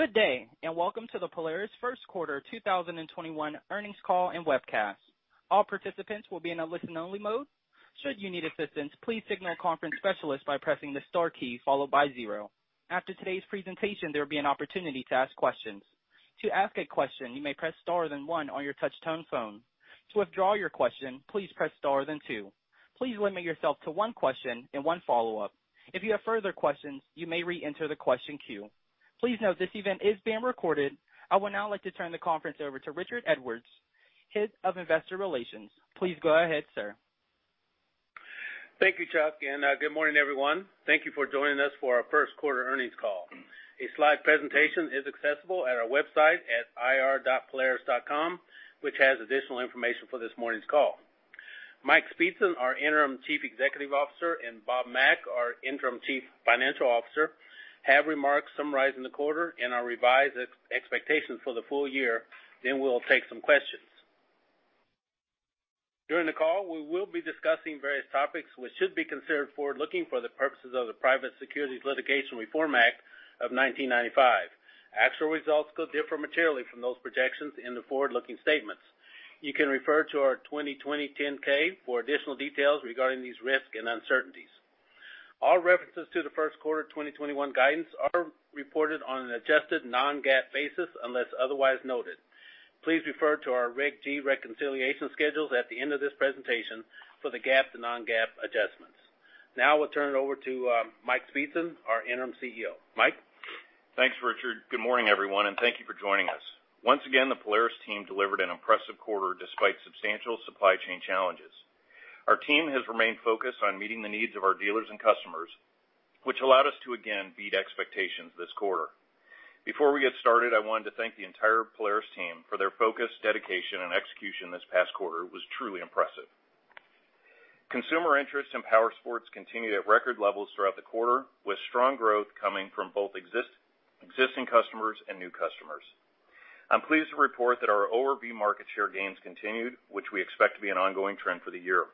Good day, and welcome to the Polaris First Quarter 2021 Earnings Call and Webcast. All participants will be in a listen-only mode. Should you need assistance, please signal a conference specialist by pressing the star key followed by zero. After today's presentation, there will be an opportunity to ask questions. To ask a question, you may press star then one on your touch-tone phone. To withdraw your question, please press star then two. Please limit yourself to one question and one follow-up. If you have further questions, you may re-enter the question queue. Please note this event is being recorded. I would now like to turn the conference over to Richard Edwards, Head of Investor Relations. Please go ahead, Sir. Thank you, Chuck, and good morning, everyone. Thank you for joining us for our first quarter earnings call. A slide presentation is accessible at our website at ir.polaris.com which has additional information for this morning's call. Mike Speetzen, our Interim Chief Executive Officer, and Bob Mack, our Interim Chief Financial Officer, have remarks summarizing the quarter and our revised expectations for the full year. We'll take some questions. During the call, we will be discussing various topics which should be considered forward-looking for the purposes of the Private Securities Litigation Reform Act of 1995. Actual results could differ materially from those projections in the forward-looking statements. You can refer to our 2020 10-K for additional details regarding these risks and uncertainties. All references to the first quarter 2021 guidance are reported on an adjusted non-GAAP basis unless otherwise noted. Please refer to our Regulation G reconciliation schedules at the end of this presentation for the GAAP to non-GAAP adjustments. Now I will turn it over to Mike Speetzen, our Interim Chief Executive Officer. Mike? Thanks, Richard. Good morning, everyone, and thank you for joining us. Once again, the Polaris team delivered an impressive quarter despite substantial supply chain challenges. Our team has remained focused on meeting the needs of our dealers and customers, which allowed us to again beat expectations this quarter. Before we get started, I wanted to thank the entire Polaris team for their focus, dedication, and execution this past quarter. It was truly impressive. Consumer interest in powersports continued at record levels throughout the quarter, with strong growth coming from both existing customers and new customers. I'm pleased to report that our ORV market share gains continued, which we expect to be an ongoing trend for the year.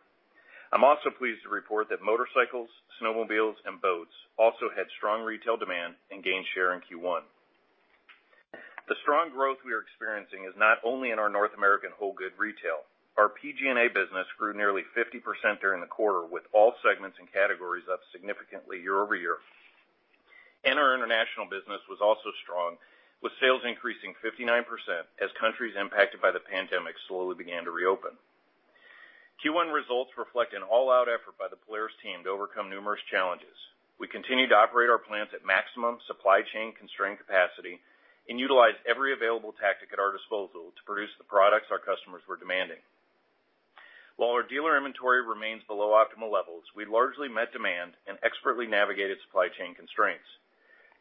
I'm also pleased to report that motorcycles, snowmobiles, and boats also had strong retail demand and gained share in Q1. The strong growth we are experiencing is not only in our North American whole good retail. Our PG&A business grew nearly 50% during the quarter, with all segments and categories up significantly year-over-year. Our international business was also strong, with sales increasing 59% as countries impacted by the pandemic slowly began to reopen. Q1 results reflect an all-out effort by the Polaris team to overcome numerous challenges. We continue to operate our plants at maximum supply chain constrained capacity and utilize every available tactic at our disposal to produce the products our customers were demanding. While our dealer inventory remains below optimal levels, we largely met demand and expertly navigated supply chain constraints.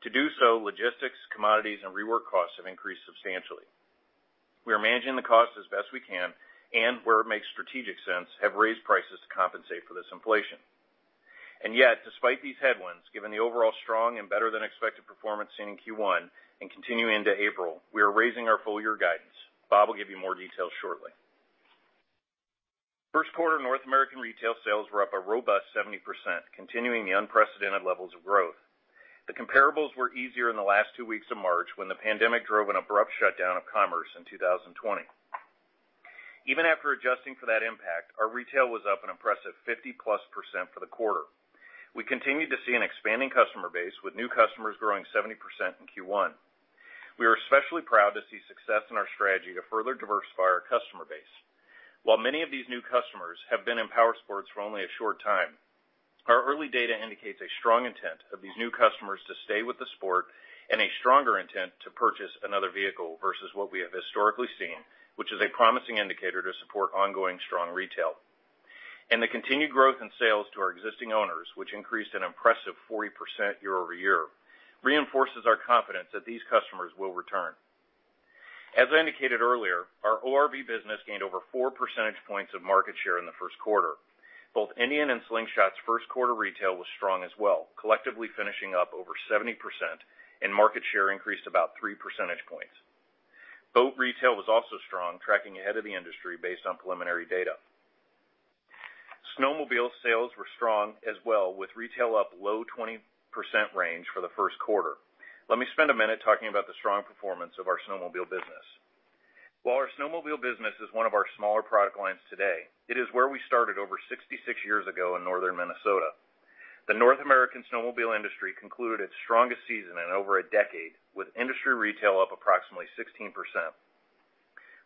To do so, logistics, commodities, and rework costs have increased substantially. We are managing the costs as best we can and where it makes strategic sense, have raised prices to compensate for this inflation. Yet, despite these headwinds, given the overall strong and better-than-expected performance seen in Q1 and continuing into April, we are raising our full year guidance. Bob will give you more details shortly. First quarter North American retail sales were up a robust 70%, continuing the unprecedented levels of growth. The comparables were easier in the last two weeks of March when the pandemic drove an abrupt shutdown of commerce in 2020. Even after adjusting for that impact, our retail was up an impressive +50% for the quarter. We continue to see an expanding customer base, with new customers growing 70% in Q1. We are especially proud to see success in our strategy to further diversify our customer base. While many of these new customers have been in powersports for only a short time, our early data indicates a strong intent of these new customers to stay with the sport and a stronger intent to purchase another vehicle versus what we have historically seen, which is a promising indicator to support ongoing strong retail. The continued growth in sales to our existing owners, which increased an impressive 40% year-over-year, reinforces our confidence that these customers will return. As I indicated earlier, our ORV business gained over four percentage points of market share in the first quarter. Both Indian and Slingshot's first quarter retail was strong as well, collectively finishing up over 70% and market share increased about three percentage points. Boat retail was also strong, tracking ahead of the industry based on preliminary data. Snowmobile sales were strong as well, with retail up low 20% range for the first quarter. Let me spend a minute talking about the strong performance of our snowmobile business. While our snowmobile business is one of our smaller product lines today, it is where we started over 66 years ago in Northern Minnesota. The North American snowmobile industry concluded its strongest season in over a decade with industry retail up approximately 16%.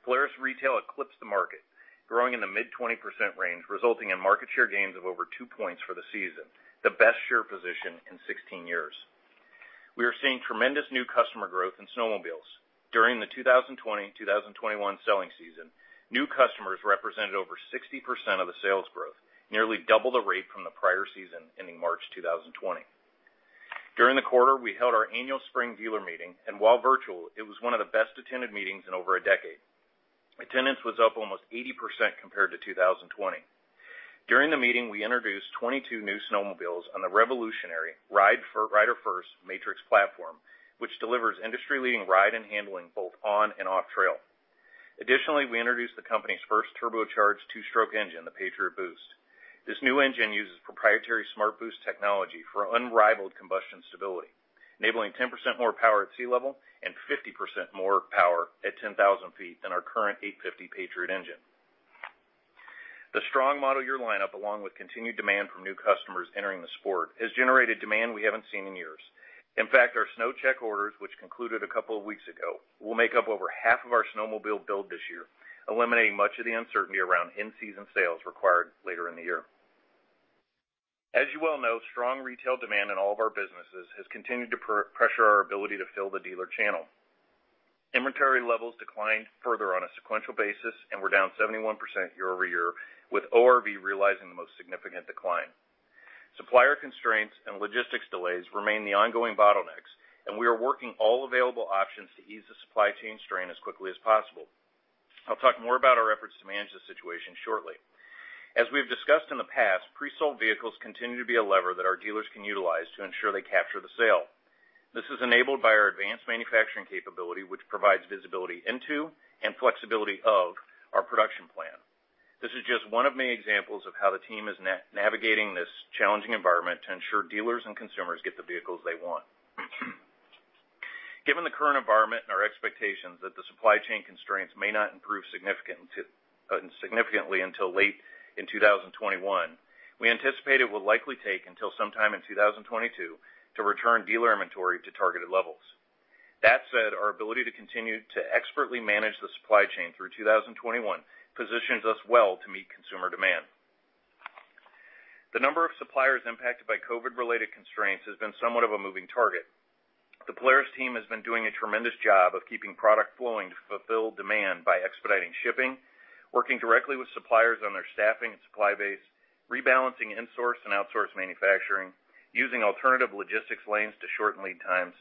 Polaris retail eclipsed the market, growing in the mid-20% range, resulting in market share gains of over two points for the season, the best share position in 16 years. We are seeing tremendous new customer growth in snowmobiles. During the 2020-2021 selling season, new customers represented over 60% of the sales growth, nearly double the rate from the prior season ending March 2020. During the quarter, we held our annual spring dealer meeting, and while virtual, it was one of the best-attended meetings in over a decade. Attendance was up almost 80% compared to 2020. During the meeting, we introduced 22 new snowmobiles on the revolutionary rider-first Matryx platform, which delivers industry-leading ride and handling both on and off trail. Additionally, we introduced the company's first turbocharged two-stroke engine, the Patriot Boost. This new engine uses proprietary SmartBoost technology for unrivaled combustion stability, enabling 10% more power at sea level and 50% more power at 10,000 feet than our current 850 Patriot engine. The strong model year lineup, along with continued demand from new customers entering the sport, has generated demand we haven't seen in years. In fact, our SnowCheck orders, which concluded a couple of weeks ago, will make up over half of our snowmobile build this year, eliminating much of the uncertainty around in-season sales required later in the year. As you well know, strong retail demand in all of our businesses has continued to pressure our ability to fill the dealer channel. Inventory levels declined further on a sequential basis. We're down 71% year-over-year, with ORV realizing the most significant decline. Supplier constraints. Logistics delays remain the ongoing bottlenecks, and we are working all available options to ease the supply chain strain as quickly as possible. I'll talk more about our efforts to manage the situation shortly. As we've discussed in the past, pre-sold vehicles continue to be a lever that our dealers can utilize to ensure they capture the sale. This is enabled by our advanced manufacturing capability, which provides visibility into and flexibility of our production plan. This is just one of many examples of how the team is navigating this challenging environment to ensure dealers and consumers get the vehicles they want. Given the current environment and our expectations that the supply chain constraints may not improve significantly until late in 2021, we anticipate it will likely take until sometime in 2022 to return dealer inventory to targeted levels. That said, our ability to continue to expertly manage the supply chain through 2021 positions us well to meet consumer demand. The number of suppliers impacted by COVID-related constraints has been somewhat of a moving target. The Polaris team has been doing a tremendous job of keeping product flowing to fulfill demand by expediting shipping, working directly with suppliers on their staffing and supply base, rebalancing insource and outsource manufacturing, using alternative logistics lanes to shorten lead times,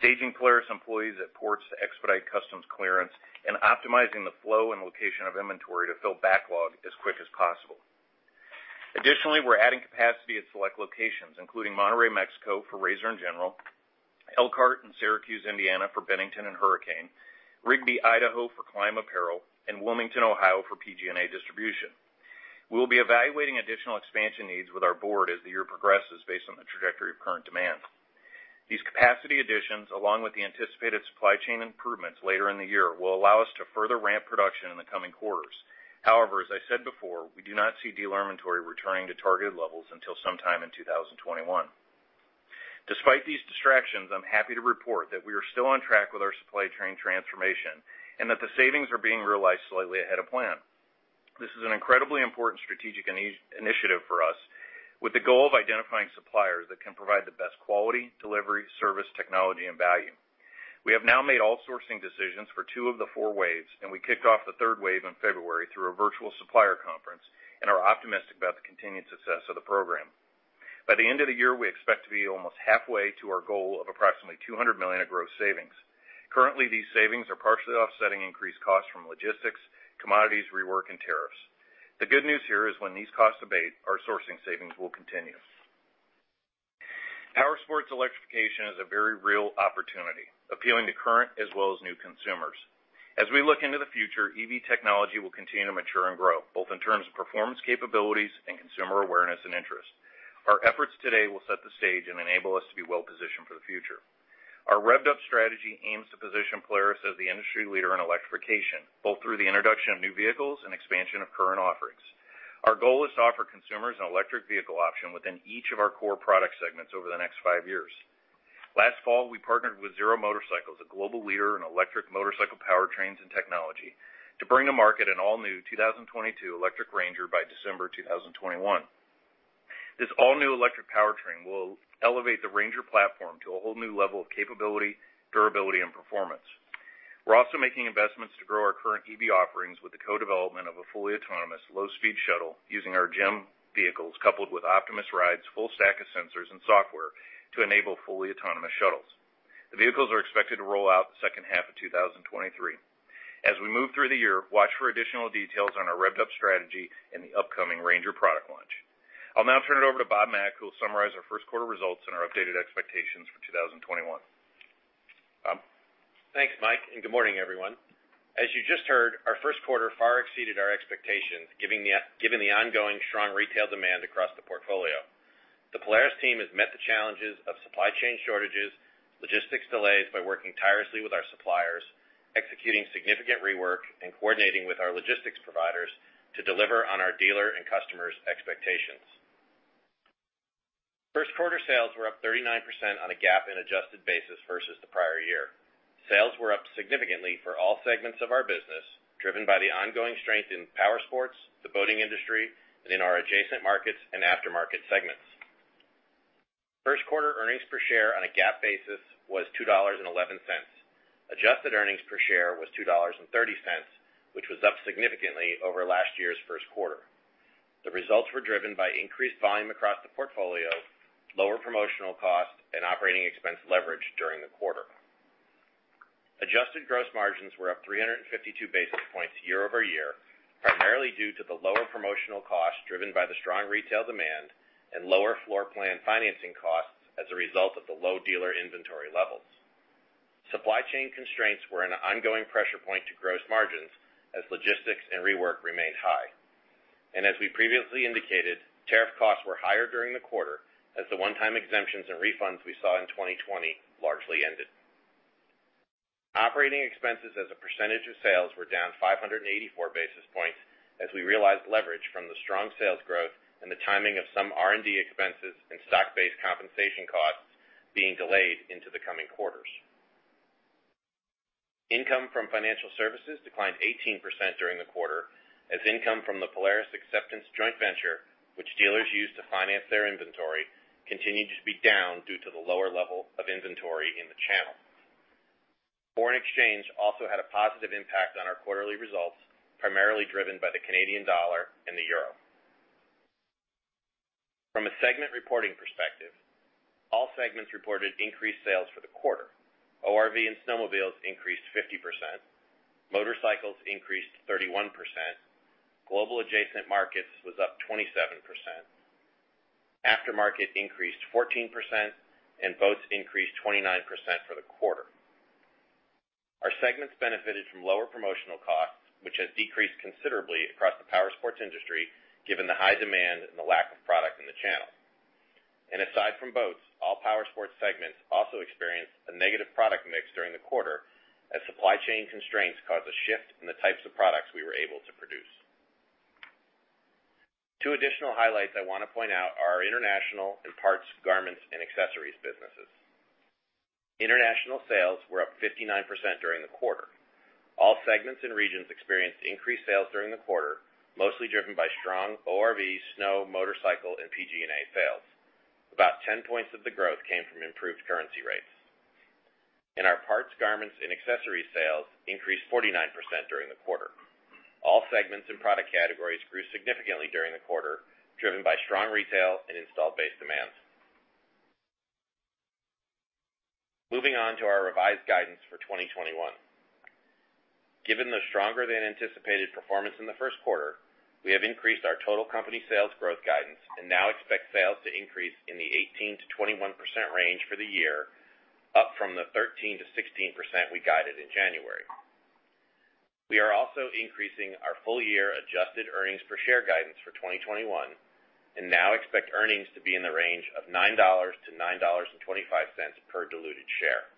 staging Polaris employees at ports to expedite customs clearance, and optimizing the flow and location of inventory to fill backlog as quick as possible. Additionally, we're adding capacity at select locations, including Monterrey, Mexico for RZR and GENERAL, Elkhart and Syracuse, Indiana for Bennington and Hurricane, Rigby, Idaho for Klim apparel, and Wilmington, Ohio for PG&A distribution. We'll be evaluating additional expansion needs with our board as the year progresses based on the trajectory of current demand. These capacity additions, along with the anticipated supply chain improvements later in the year, will allow us to further ramp production in the coming quarters. As I said before, we do not see dealer inventory returning to targeted levels until sometime in 2021. Despite these distractions, I'm happy to report that we are still on track with our supply chain transformation, and that the savings are being realized slightly ahead of plan. This is an incredibly important strategic initiative for us, with the goal of identifying suppliers that can provide the best quality, delivery, service, technology and value. We have now made all sourcing decisions for two of the four waves, we kicked off the third wave in February through a virtual supplier conference and are optimistic about the continued success of the program. By the end of the year, we expect to be almost halfway to our goal of approximately $200 million of gross savings. Currently, these savings are partially offsetting increased costs from logistics, commodities, rework, and tariffs. The good news here is when these costs abate, our sourcing savings will continue. Powersports electrification is a very real opportunity, appealing to current as well as new consumers. As we look into the future, EV technology will continue to mature and grow, both in terms of performance capabilities and consumer awareness and interest. Our efforts today will set the stage and enable us to be well-positioned for the future. Our rEV’d up strategy aims to position Polaris as the industry leader in electrification, both through the introduction of new vehicles and expansion of current offerings. Our goal is to offer consumers an electric vehicle option within each of our core product segments over the next five years. Last fall, we partnered with Zero Motorcycles, a global leader in electric motorcycle powertrains and technology, to bring to market an all-new 2022 electric Ranger by December 2021. This all-new electric powertrain will elevate the Ranger to a whole new level of capability, durability, and performance. We're also making investments to grow our current EV offerings with the co-development of a fully autonomous, low-speed shuttle using our GEM vehicles, coupled with Optimus Ride's full stack of sensors and software to enable fully autonomous shuttles. The vehicles are expected to roll out the second half of 2023. As we move through the year, watch for additional details on our rEV'd up strategy in the upcoming Ranger product launch. I'll now turn it over to Bob Mack, who will summarize our first quarter results and our updated expectations for 2021. Bob? Thanks, Mike. Good morning, everyone. As you just heard, our first quarter far exceeded our expectations, given the ongoing strong retail demand across the portfolio. The Polaris team has met the challenges of supply chain shortages, logistics delays by working tirelessly with our suppliers, executing significant rework, and coordinating with our logistics providers to deliver on our dealer and customers' expectations. First quarter sales were up 39% on a GAAP and adjusted basis versus the prior year. Sales were up significantly for all segments of our business, driven by the ongoing strength in Powersports, the boating industry, and in our adjacent markets and aftermarket segments. First quarter earnings per share on a GAAP basis was $2.11. Adjusted earnings per share was $2.30, which was up significantly over last year's first quarter. The results were driven by increased volume across the portfolio, lower promotional costs, and operating expense leverage during the quarter. Adjusted gross margins were up 352 basis points year-over-year, primarily due to the lower promotional costs driven by the strong retail demand and lower floor plan financing costs as a result of the low dealer inventory levels. Supply chain constraints were an ongoing pressure point to gross margins as logistics and rework remained high. As we previously indicated, one-time tariff costs were higher during the quarter as the one-time exemptions and refunds we saw in 2020 largely ended. Operating expenses as a percentage of sales were down 584 basis points as we realized leverage from the strong sales growth and the timing of some R&D expenses and stock-based compensation costs being delayed into the coming quarters. Income from financial services declined 18% during the quarter, as income from the Polaris Acceptance joint venture, which dealers use to finance their inventory, continued to be down due to the lower level of inventory in the channel. Foreign exchange also had a positive impact on our quarterly results, primarily driven by the Canadian dollar and the euro. From a segment reporting perspective, all segments reported increased sales for the quarter. ORV and snowmobiles increased 50%. Motorcycles increased 31%. Global adjacent markets was up 27%. Aftermarket increased 14%, and boats increased 29% for the quarter. Our segments benefited from lower promotional costs, which has decreased considerably across the powersports industry, given the high demand and the lack of product in the channel. Aside from boats, all powersports segments also experienced a negative product mix during the quarter as supply chain constraints caused a shift in the types of products we were able to produce. Two additional highlights I want to point out are our international and parts, garments, and accessories businesses. International sales were up 59% during the quarter. All segments and regions experienced increased sales during the quarter, mostly driven by strong ORV, snow, motorcycle, and PG&A sales. About 10 points of the growth came from improved currency rates. Our parts, garments, and accessories sales increased 49% during the quarter. All segments and product categories grew significantly during the quarter, driven by strong retail and installed base demands. Moving on to our revised guidance for 2021. Given the stronger than anticipated performance in the first quarter, we have increased our total company sales growth guidance and now expect sales to increase in the 18%-21% range for the year, up from the 13%-16% we guided in January. We are also increasing our full year adjusted earnings per share guidance for 2021 and now expect earnings to be in the range of $9-$9.25 per diluted share.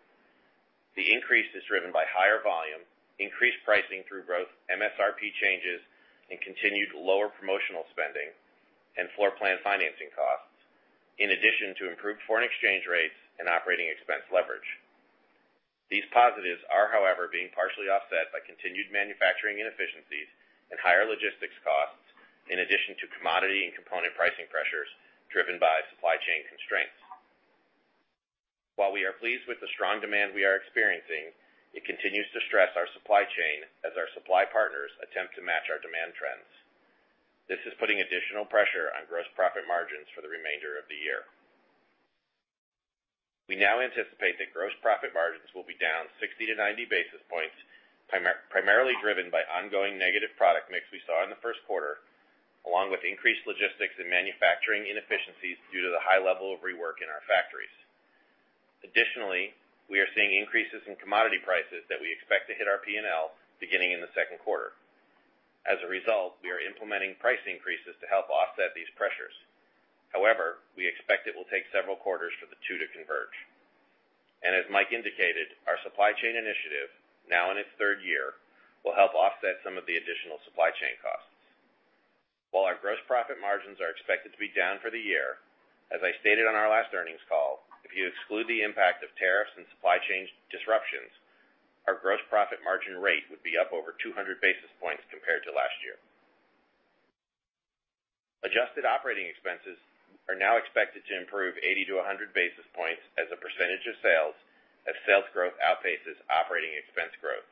The increase is driven by higher volume, increased pricing through both MSRP changes and continued lower promotional spending and floor plan financing costs, in addition to improved foreign exchange rates and operating expense leverage. These positives are, however, being partially offset by continued manufacturing inefficiencies and higher logistics costs, in addition to commodity and component pricing pressures driven by supply chain constraints. While we are pleased with the strong demand we are experiencing, it continues to stress our supply chain as our supply partners attempt to match our demand trends. This is putting additional pressure on gross profit margins for the remainder of the year. We now anticipate that gross profit margins will be down 60 to 90 basis points, primarily driven by ongoing negative product mix we saw in the first quarter, along with increased logistics and manufacturing inefficiencies due to the high level of rework in our factories. Additionally, we are seeing increases in commodity prices that we expect to hit our P&L beginning in the second quarter. As a result, we are implementing price increases to help offset these pressures. However, we expect it will take several quarters for the two to converge. As Mike indicated, our supply chain initiative, now in its third year, will help offset some of the additional supply chain costs. While our gross profit margins are expected to be down for the year, as I stated on our last earnings call, if you exclude the impact of tariffs and supply chain disruptions, our gross profit margin rate would be up over 200 basis points compared to last year. Adjusted operating expenses are now expected to improve 80 to 100 basis points as a percentage of sales as sales growth outpaces operating expense growth.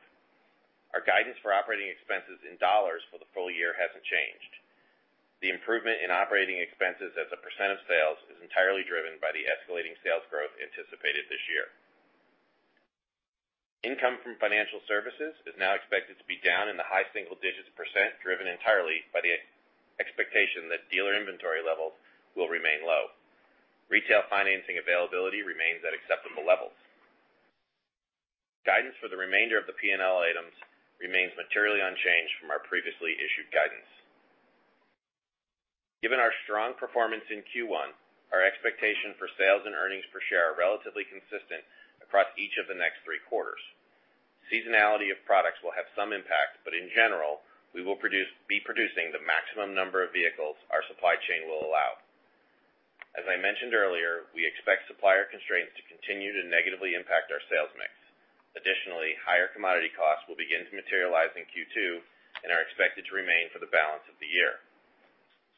Our guidance for operating expenses in dollars for the full year hasn't changed. The improvement in operating expenses as a percent of sales is entirely driven by the escalating sales growth anticipated this year. Income from financial services is now expected to be down in the high single digits percent, driven entirely by the expectation that dealer inventory levels will remain low. Retail financing availability remains at acceptable levels. Guidance for the remainder of the P&L items remains materially unchanged from our previously issued guidance. Given our strong performance in Q1, our expectation for sales and earnings per share are relatively consistent across each of the next three quarters. Seasonality of products will have some impact, but in general, we will be producing the maximum number of vehicles our supply chain will allow. As I mentioned earlier, we expect supplier constraints to continue to negatively impact our sales mix. Additionally, higher commodity costs will begin to materialize in Q2 and are expected to remain for the balance of the year.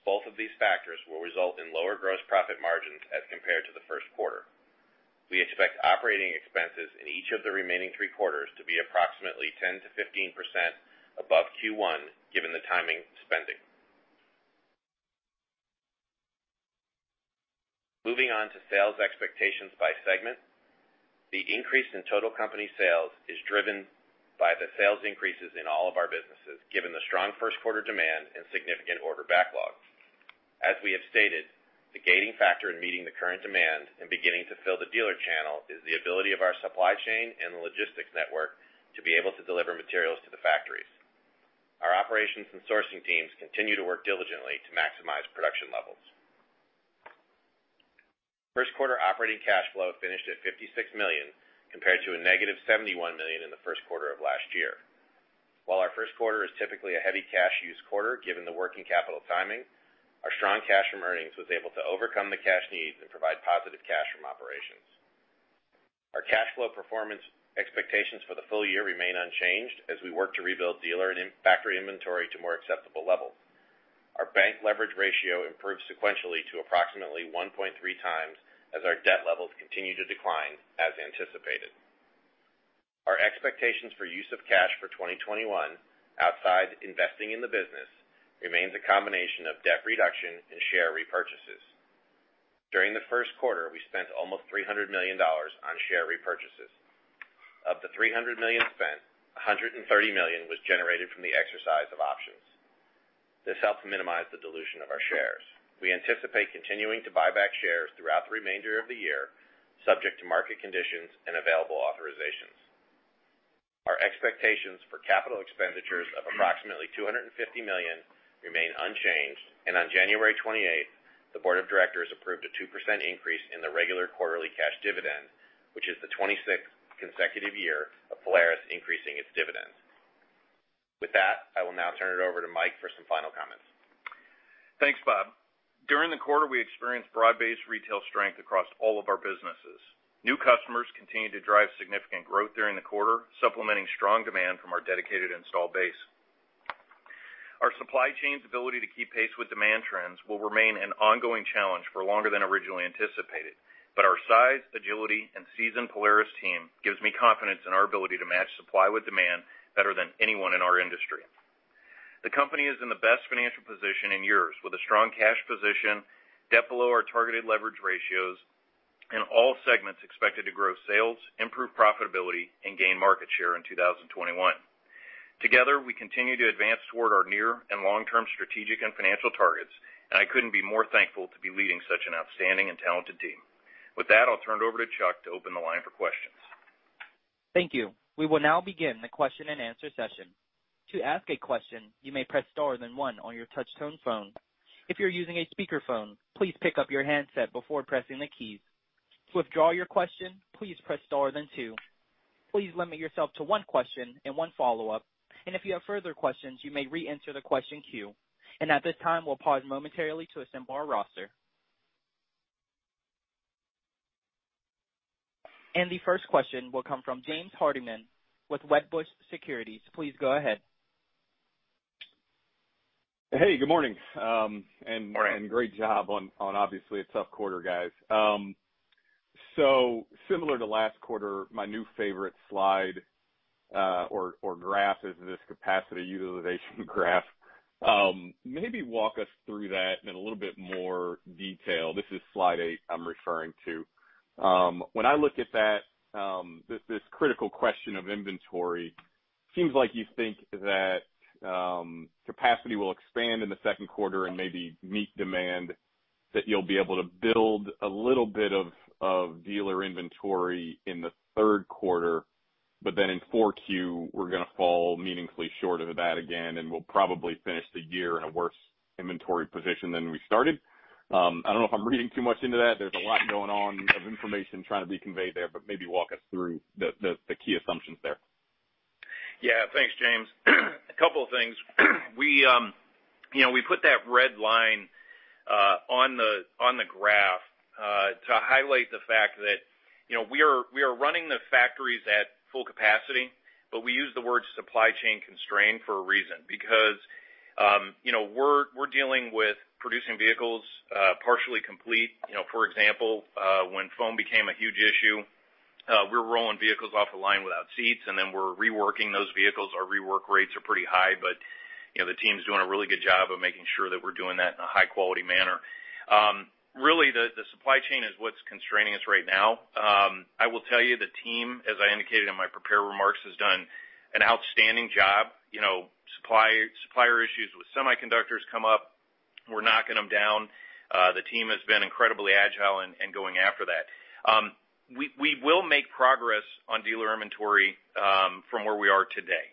Both of these factors will result in lower gross profit margins as compared to the first quarter. We expect operating expenses in each of the remaining three quarters to be approximately 10%-15% above Q1, given the timing of spending. Moving on to sales expectations by segment. The increase in total company sales is driven by the sales increases in all of our businesses, given the strong first quarter demand and significant order backlog. As we have stated, the gating factor in meeting the current demand and beginning to fill the dealer channel is the ability of our supply chain and the logistics network to be able to deliver materials to the factories. Our operations and sourcing teams continue to work diligently to maximize production levels. First quarter operating cash flow finished at $56 million, compared to a negative $71 million in the first quarter of last year. While our first quarter is typically a heavy cash use quarter, given the working capital timing, our strong cash from earnings was able to overcome the cash needs and provide positive cash from operations. Our cash flow performance expectations for the full year remain unchanged as we work to rebuild dealer and factory inventory to more acceptable levels. Our bank leverage ratio improved sequentially to approximately 1.3x, as our debt levels continue to decline as anticipated. Our expectations for use of cash for 2021, outside investing in the business, remains a combination of debt reduction and share repurchases. During the first quarter, we spent almost $300 million on share repurchases. Of the $300 million spent, $130 million was generated from the exercise of options. This helps minimize the dilution of our shares. We anticipate continuing to buy back shares throughout the remainder of the year, subject to market conditions and available authorizations. Our expectations for capital expenditures of approximately $250 million remain unchanged. On January 28th, the board of directors approved a 2% increase in the regular quarterly cash dividend, which is the 26th consecutive year of Polaris increasing its dividends. With that, I will now turn it over to Mike for some final comments. Thanks, Bob. During the quarter, we experienced broad-based retail strength across all of our businesses. New customers continued to drive significant growth during the quarter, supplementing strong demand from our dedicated installed base. Our supply chain's ability to keep pace with demand trends will remain an ongoing challenge for longer than originally anticipated. Our size, agility, and seasoned Polaris team gives me confidence in our ability to match supply with demand better than anyone in our industry. The company is in the best financial position in years, with a strong cash position, debt below our targeted leverage ratios, and all segments expected to grow sales, improve profitability, and gain market share in 2021. Together, we continue to advance toward our near and long-term strategic and financial targets, I couldn't be more thankful to be leading such an outstanding and talented team. With that, I'll turn it over to Chuck to open the line for questions. Thank you. We will now begin the question and answer session. To ask a question, you may press star then one on your touchtone phone. If you're using a speakerphone, please pick up your handset before pressing the keys. To withdraw your question, please press star then two. Please limit yourself to one question and one follow-up. If you have further questions, you may reenter the question queue. At this time, we'll pause momentarily to assemble our roster. The first question will come from James Hardiman with Wedbush Securities. Please go ahead. Hey, good morning. Good morning. Great job on obviously a tough quarter, guys. Similar to last quarter, my new favorite slide or graph is this capacity utilization graph. Maybe walk us through that in a little bit more detail. This is slide eight I'm referring to. When I look at that, this critical question of inventory seems like you think that capacity will expand in the second quarter and maybe meet demand, that you'll be able to build a little bit of dealer inventory in the third quarter. In 4Q, we're going to fall meaningfully short of that again, and we'll probably finish the year in a worse inventory position than we started. I don't know if I'm reading too much into that. There's a lot going on of information trying to be conveyed there, maybe walk us through the key assumptions there. Thanks, James. A couple of things. We put that red line on the graph to highlight the fact that we are running the factories at full capacity, but we use the words supply chain constrained for a reason, because we're dealing with producing vehicles partially complete. For example, when foam became a huge issue, we were rolling vehicles off the line without seats, and then we're reworking those vehicles. Our rework rates are pretty high, but the team's doing a really good job of making sure that we're doing that in a high-quality manner. Really, the supply chain is what's constraining us right now. I will tell you, the team, as I indicated in my prepared remarks, has done an outstanding job. Supplier issues with semiconductors come up, we're knocking them down. The team has been incredibly agile in going after that. We will make progress on dealer inventory from where we are today.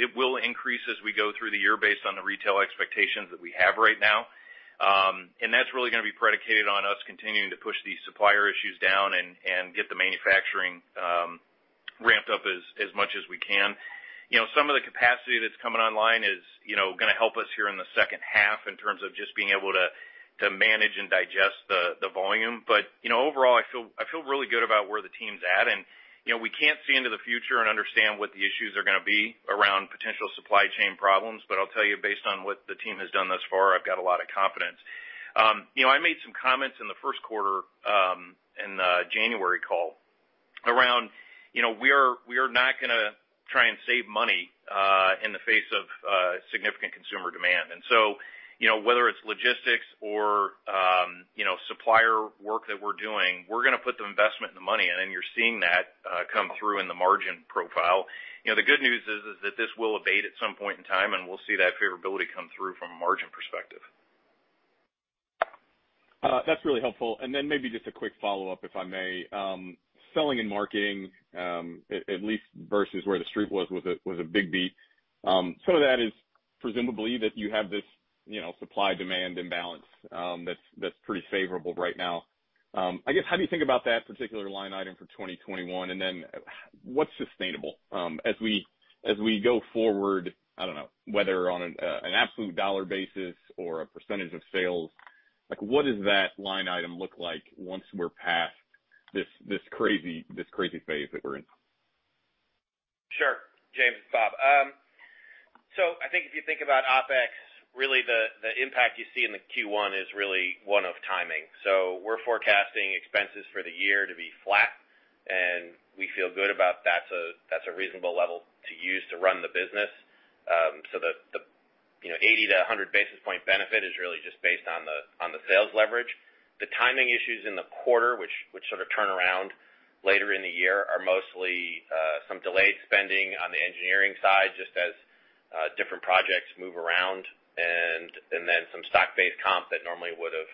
It will increase as we go through the year based on the retail expectations that we have right now. That's really going to be predicated on us continuing to push these supplier issues down and get the manufacturing ramped up as much as we can. Some of the capacity that's coming online is going to help us here in the second half in terms of just being able to manage and digest the volume. Overall, I feel really good about where the team's at. We can't see into the future and understand what the issues are going to be around potential supply chain problems. I'll tell you, based on what the team has done thus far, I've got a lot of confidence. I made some comments in the first quarter in the January call around. We're not going to try and save money in the face of significant consumer demand. Whether it's logistics or supplier work that we're doing, we're going to put the investment and the money in, and you're seeing that come through in the margin profile. The good news is that this will abate at some point in time, and we'll see that favorability come through from a margin perspective. That's really helpful. Maybe just a quick follow-up, if I may. Selling and marketing, at least versus where the street was a big beat. Some of that is presumably that you have this supply-demand imbalance that's pretty favorable right now. I guess, how do you think about that particular line item for 2021? What's sustainable? As we go forward, I don't know, whether on an absolute dollar basis or a percentage of sales, what does that line item look like once we're past this crazy phase that we're in? Sure. James, it's Bob. I think if you think about OpEx, really the impact you see in the Q1 is really one of timing. We're forecasting expenses for the year to be flat, and we feel good about that's a reasonable level to use to run the business. The 80 to 100 basis point benefit is really just based on the sales leverage. The timing issues in the quarter, which sort of turn around later in the year, are mostly some delayed spending on the engineering side, just as different projects move around, and then some stock-based comp that normally would've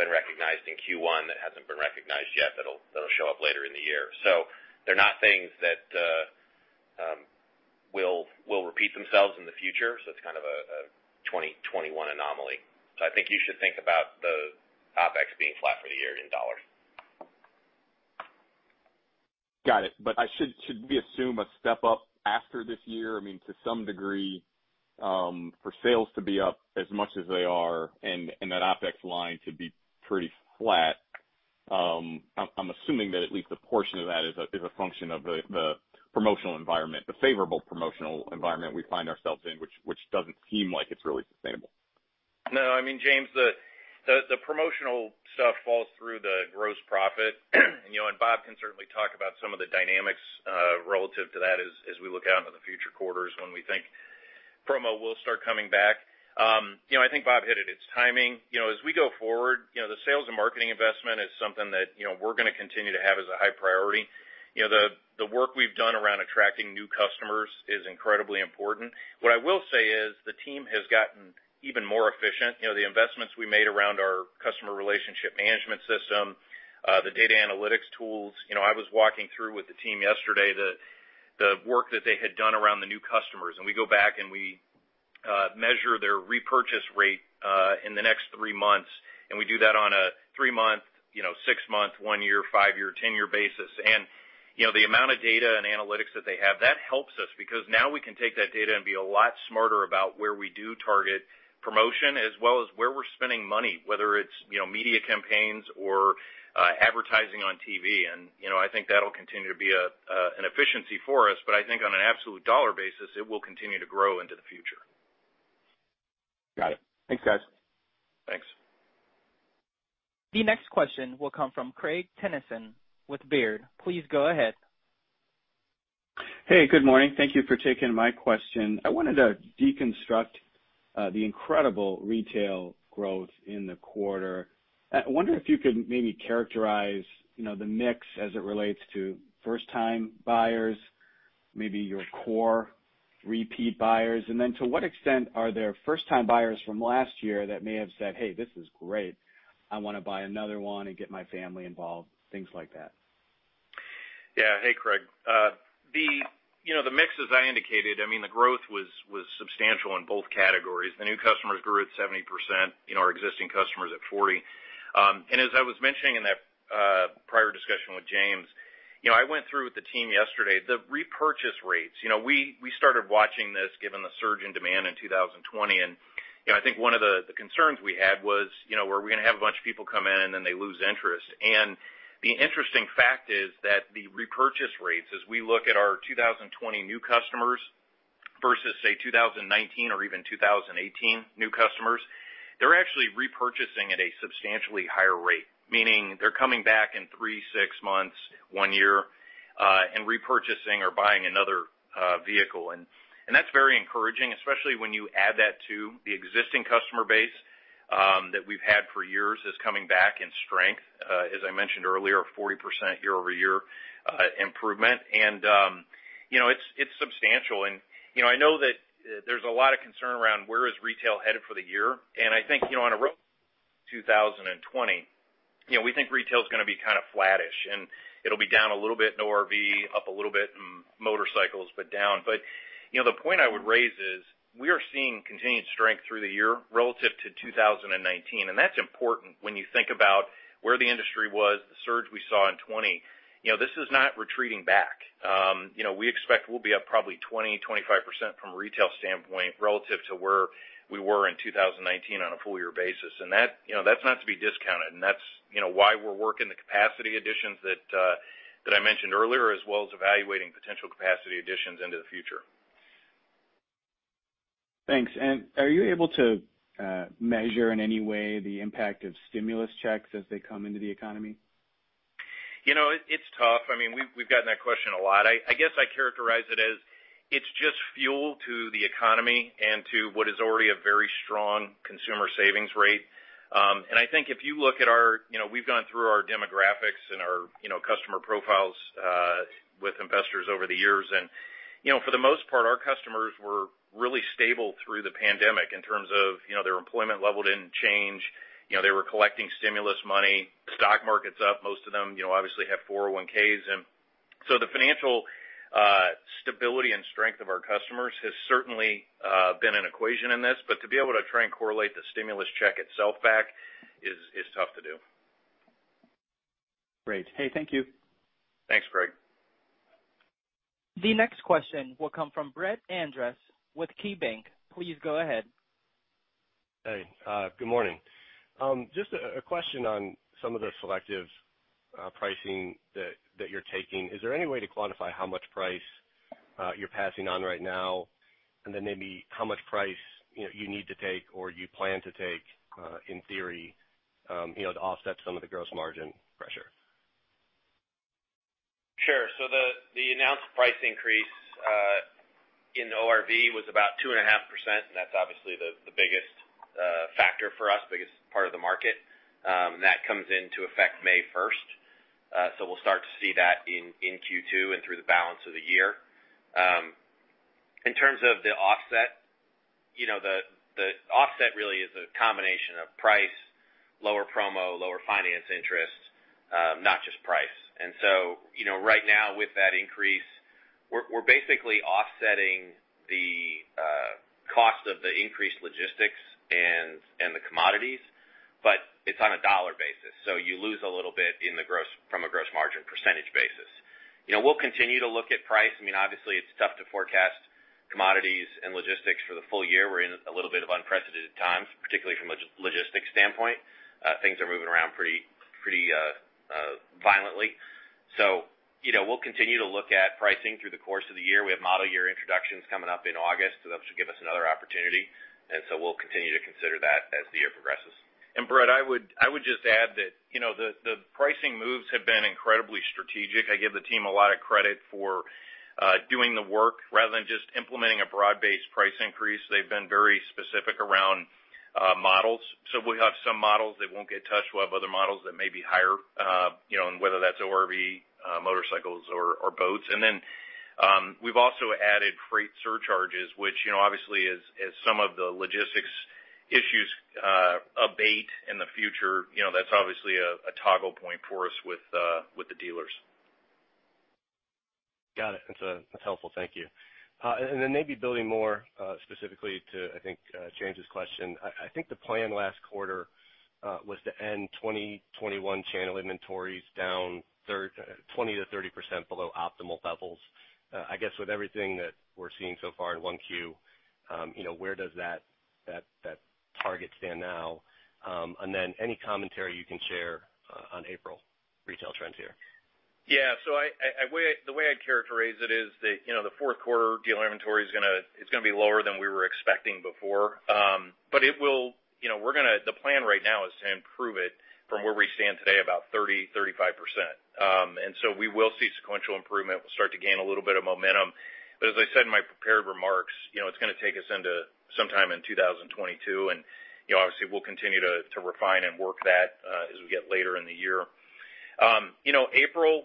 been recognized in Q1 that hasn't been recognized yet, that'll show up later in the year. They're not things that will repeat themselves in the future. It's kind of a 2021 anomaly. I think you should think about the OpEx being flat for the year in dollars. Got it. Should we assume a step-up after this year? I mean, to some degree, for sales to be up as much as they are and that OpEx line to be pretty flat, I am assuming that at least a portion of that is a function of the promotional environment, the favorable promotional environment we find ourselves in, which doesn't seem like it is really sustainable. No, I mean, James, the promotional stuff falls through the gross profit. Bob can certainly talk about some of the dynamics relative to that as we look out into the future quarters when we think promo will start coming back. I think Bob hit it. It is timing. As we go forward, the sales and marketing investment is something that we're going to continue to have as a high priority. The work we've done around attracting new customers is incredibly important. What I will say is the team has gotten even more efficient, the investments we made around our customer relationship management system, the data analytics tools. I was walking through with the team yesterday, the work that they had done around the new customers. We go back and we measure their repurchase rate, in the next three months, and we do that on a three-month, six-month, one-year, five-year, 10-year basis. The amount of data and analytics that they have, that helps us because now we can take that data and be a lot smarter about where we do target promotion as well as where we're spending money, whether it's media campaigns or advertising on TV. I think that'll continue to be an efficiency for us, but I think on an absolute dollar basis, it will continue to grow into the future. Got it. Thanks, guys. Thanks. The next question will come from Craig Kennison with Baird. Please go ahead. Hey, good morning. Thank you for taking my question. I wanted to deconstruct the incredible retail growth in the quarter. I wonder if you could maybe characterize the mix as it relates to first-time buyers, maybe your core repeat buyers. Then to what extent are there first-time buyers from last year that may have said, "Hey, this is great. I want to buy another one and get my family involved," things like that? Yeah. Hey, Craig. The mix, as I indicated, I mean, the growth was substantial in both categories. The new customers grew at 70%, our existing customers at 40%. As I was mentioning in that prior discussion with James, I went through with the team yesterday, the repurchase rates. We started watching this given the surge in demand in 2020, and I think one of the concerns we had was, were we going to have a bunch of people come in, and then they lose interest? The interesting fact is that the repurchase rates, as we look at our 2020 new customers versus, say, 2019 or even 2018 new customers, they're actually repurchasing at a substantially higher rate, meaning they're coming back in three, six months, one year, and repurchasing or buying another vehicle. That's very encouraging, especially when you add that to the existing customer base that we've had for years is coming back in strength. As I mentioned earlier, a 40% year-over-year improvement. It's substantial. I know that there's a lot of concern around where is retail headed for the year. I think on a 2020, we think retail's going to be kind of flattish, and it'll be down a little bit in ORV, up a little bit in motorcycles, but down. The point I would raise is we are seeing continued strength through the year relative to 2019, and that's important when you think about where the industry was, the surge we saw in 2020. This is not retreating back. We expect we'll be up probably 20%-25% from a retail standpoint relative to where we were in 2019 on a full-year basis. That's not to be discounted. That's why we're working the capacity additions that I mentioned earlier, as well as evaluating potential capacity additions into the future. Thanks. Are you able to measure in any way the impact of stimulus checks as they come into the economy? It's tough. We've gotten that question a lot. I guess I characterize it as, it's just fuel to the economy and to what is already a very strong consumer savings rate. I think if you look at our-- We've gone through our demographics and our customer profiles with investors over the years, for the most part, our customers were really stable through the pandemic in terms of their employment level didn't change. They were collecting stimulus money. The stock market's up. Most of them, obviously, have 401s. So the financial stability and strength of our customers has certainly been an equation in this. To be able to try and correlate the stimulus check itself back is tough to do. Great. Hey, thank you. Thanks, Craig. The next question will come from Brett Andress with KeyBanc. Please go ahead. Hey, good morning. Just a question on some of the selective pricing that you're taking. Is there any way to quantify how much price you're passing on right now? Maybe how much price you need to take or you plan to take, in theory, to offset some of the gross margin pressure? Sure. The announced price increase in ORV was about 2.5%, and that's obviously the biggest factor for us, biggest part of the market. That comes into effect May 1st. We'll start to see that in Q2 and through the balance of the year. In terms of the offset, the offset really is a combination of price, lower promo, lower finance interest, not just price. Right now with that increase, we're basically offsetting the cost of the increased logistics and the commodities, but it's on a dollar basis. You lose a little bit from a gross margin percentage basis. We'll continue to look at price. Obviously, it's tough to forecast commodities and logistics for the full year. We're in a little bit of unprecedented times, particularly from a logistics standpoint. Things are moving around pretty violently. We'll continue to look at pricing through the course of the year. We have model year introductions coming up in August, so that should give us another opportunity. We'll continue to consider that as the year progresses. Brett, I would just add that the pricing moves have been incredibly strategic. I give the team a lot of credit for doing the work rather than just implementing a broad-based price increase. They've been very specific around models. We have some models that won't get touched. We'll have other models that may be higher, and whether that's ORV, motorcycles, or boats. Then we've also added freight surcharges, which obviously as some of the logistics issues abate in the future, that's obviously a toggle point for us with the dealers. Got it. That's helpful. Thank you. Maybe building more specifically to, I think, James' question. I think the plan last quarter was to end 2021 channel inventories down 20%-30% below optimal levels. I guess with everything that we're seeing so far in 1Q, where does that target stand now? Any commentary you can share on April retail trends here. The way I'd characterize it is that, the fourth quarter dealer inventory is going to be lower than we were expecting before. The plan right now is to improve it from where we stand today about 30%-35%. We will see sequential improvement. We'll start to gain a little bit of momentum. As I said in my prepared remarks, it's going to take us into sometime in 2022, and obviously, we'll continue to refine and work that as we get later in the year. April,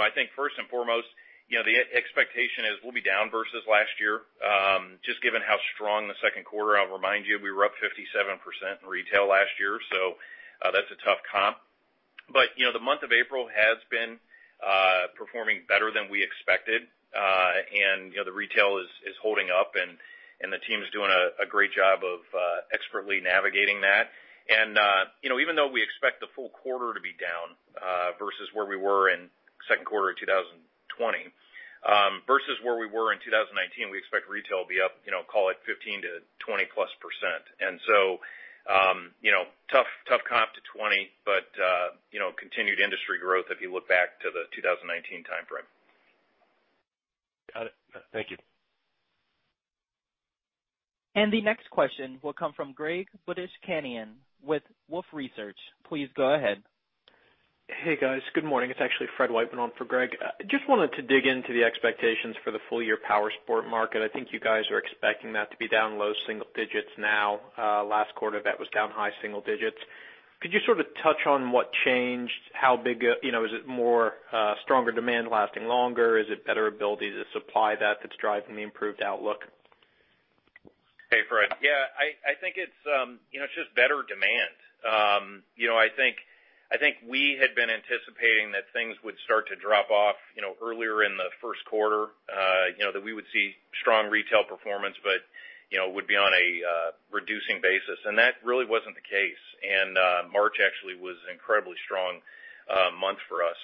I think first and foremost, the expectation is we'll be down versus last year, just given how strong the second quarter. I'll remind you, we were up 57% in retail last year, so that's a tough comp. The month of April has been performing better than we expected. The retail is holding up, and the team's doing a great job of expertly navigating that. Even though we expect the full quarter to be down versus where we were in second quarter of 2020, versus where we were in 2019, we expect retail to be up, call it 15% to +20%. Tough comp to 2020, but continued industry growth if you look back to the 2019 time frame. Got it. Thank you. The next question will come from Greg Badishkanian with Wolfe Research. Please go ahead. Hey, guys. Good morning. It's actually Fred Wightman on for Greg Badishkanian. Just wanted to dig into the expectations for the full year powersport market. I think you guys are expecting that to be down low single digits now. Last quarter, that was down high single digits. Could you sort of touch on what changed? Is it more stronger demand lasting longer? Is it better ability to supply that's driving the improved outlook? Hey, Fred. Yeah, I think it's just better demand. I think we had been anticipating that things would start to drop off earlier in the first quarter, that we would see strong retail performance, but would be on a reducing basis. That really wasn't the case. March actually was an incredibly strong month for us.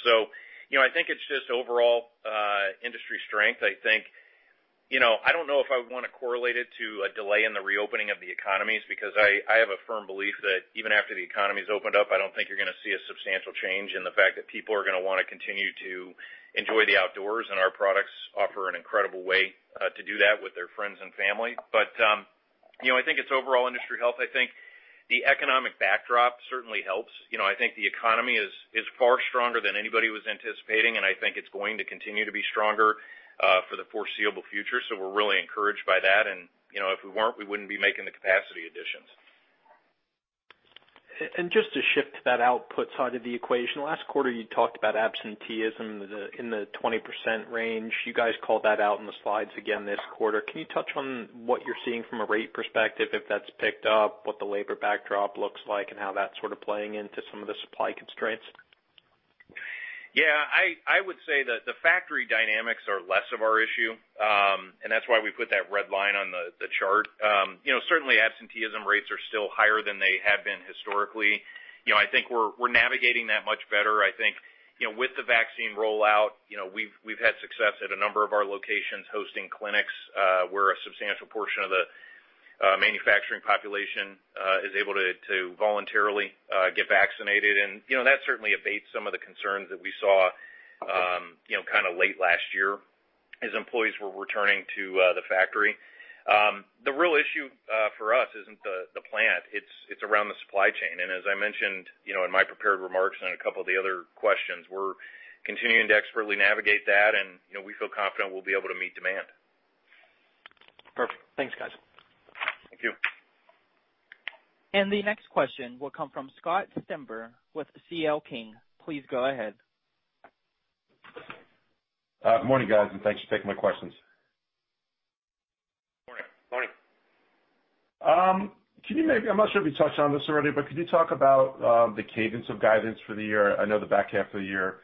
I think it's just overall industry strength. I don't know if I would want to correlate it to a delay in the reopening of the economies because I have a firm belief that even after the economy's opened up, I don't think you're going to see a substantial change in the fact that people are going to want to continue to enjoy the outdoors, and our products offer an incredible way to do that with their friends and family. I think it's overall industry health. I think the economic backdrop certainly helps. I think the economy is far stronger than anybody was anticipating, and I think it's going to continue to be stronger for the foreseeable future. We're really encouraged by that, and if we weren't, we wouldn't be making the capacity additions. Just to shift to that output side of the equation, last quarter you talked about absenteeism in the 20% range. You guys called that out in the slides again this quarter. Can you touch on what you're seeing from a rate perspective, if that's picked up, what the labor backdrop looks like, and how that's sort of playing into some of the supply constraints? Yeah. I would say that the factory dynamics are less of our issue, and that's why we put that red line on the chart. Certainly, absenteeism rates are still higher than they have been historically. I think we're navigating that much better. I think with the vaccine rollout, we've had success at a number of our locations hosting clinics, where a substantial portion of the manufacturing population is able to voluntarily get vaccinated. That certainly abates some of the concerns that we saw late last year as employees were returning to the factory. The real issue for us isn't the plant. It's around the supply chain. As I mentioned in my prepared remarks and in a couple of the other questions, we're continuing to expertly navigate that, and we feel confident we'll be able to meet demand. Perfect. Thanks, guys. Thank you. The next question will come from Scott Stember with CL King. Please go ahead. Good morning, guys, and thanks for taking my questions. Morning. Morning. I'm not sure if you touched on this already, but could you talk about the cadence of guidance for the year? I know the back half of the year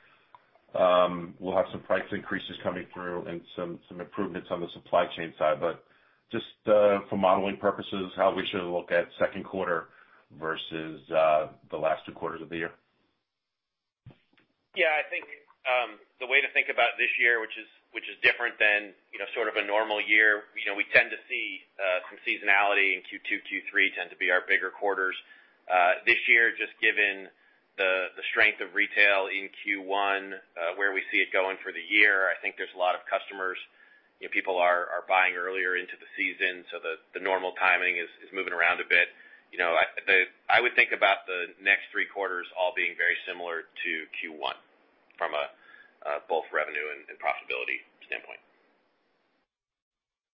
will have some price increases coming through and some improvements on the supply chain side, but just for modeling purposes, how we should look at second quarter versus the last two quarters of the year. Yeah. I think the way to think about this year, which is different than sort of a normal year, we tend to see some seasonality in Q2, Q3 tend to be our bigger quarters. This year, just given the strength of retail in Q1, where we see it going for the year, I think there's a lot of customers, people are buying earlier into the season, so the normal timing is moving around a bit. I would think about the next three quarters all being very similar to Q1 from both revenue and profitability standpoint.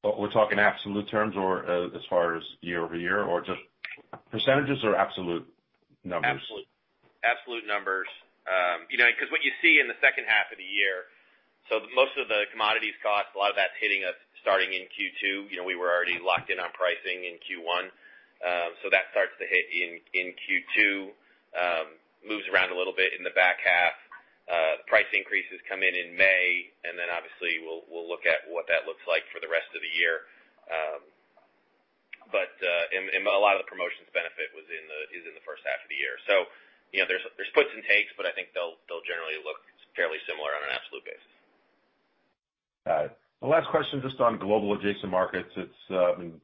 We're talking absolute terms or as far as year-over-year or just percentages or absolute numbers? Absolute numbers. What you see in the second half of the year, most of the commodities cost, a lot of that's hitting us starting in Q2. We were already locked in on pricing in Q1. That starts to hit in Q2, moves around a little bit in the back half. The price increases come in in May, and then obviously we'll look at what that looks like for the rest of the year. A lot of the promotions benefit is in the first half of the year. There's puts and takes, but I think they'll generally look fairly similar on an absolute basis. Got it. The last question, just on global adjacent markets. It's been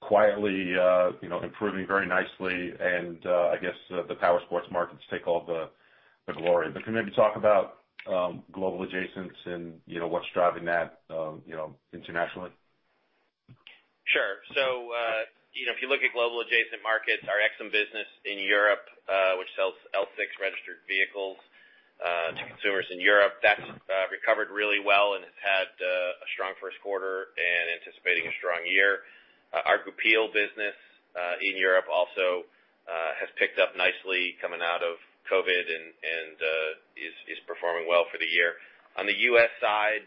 quietly improving very nicely, and I guess the powersports markets take all the glory. Can you maybe talk about global adjacents and what's driving that internationally? Sure. If you look at global adjacent markets, our Aixam business in Europe, which sells L6 registered vehicles to consumers in Europe, that's recovered really well and has had a strong first quarter and anticipating a strong year. Our Goupil business in Europe also has picked up nicely coming out of COVID and is performing well for the year. On the U.S. side,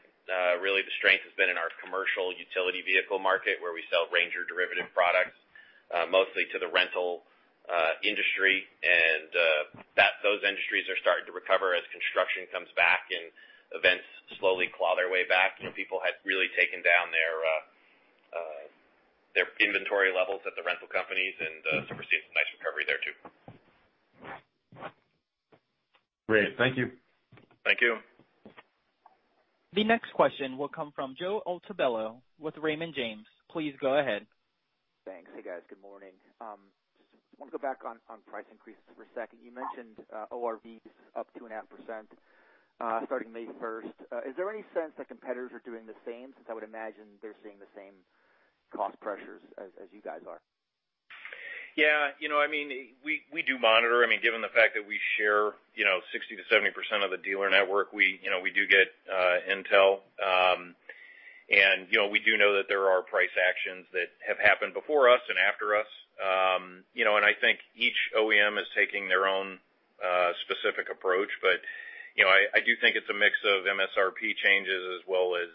really the strength has been in our commercial utility vehicle market, where we sell Ranger derivative products mostly to the rental industry. Those industries are starting to recover as construction comes back and events slowly claw their way back. People had really taken down their inventory levels at the rental companies, we're seeing some nice recovery there too. Great. Thank you. Thank you. The next question will come from Joe Altobello with Raymond James. Please go ahead. Thanks. Hey, guys. Good morning. Just want to go back on price increases for a second. You mentioned ORVs up 2.5% starting May 1st. Is there any sense that competitors are doing the same since I would imagine they're seeing the same cost pressures as you guys are? Yeah. We do monitor. Given the fact that we share 60%-70% of the dealer network, we do get intel. We do know that there are price actions that have happened before us and after us. I think each OEM is taking their own specific approach, but I do think it's a mix of MSRP changes as well as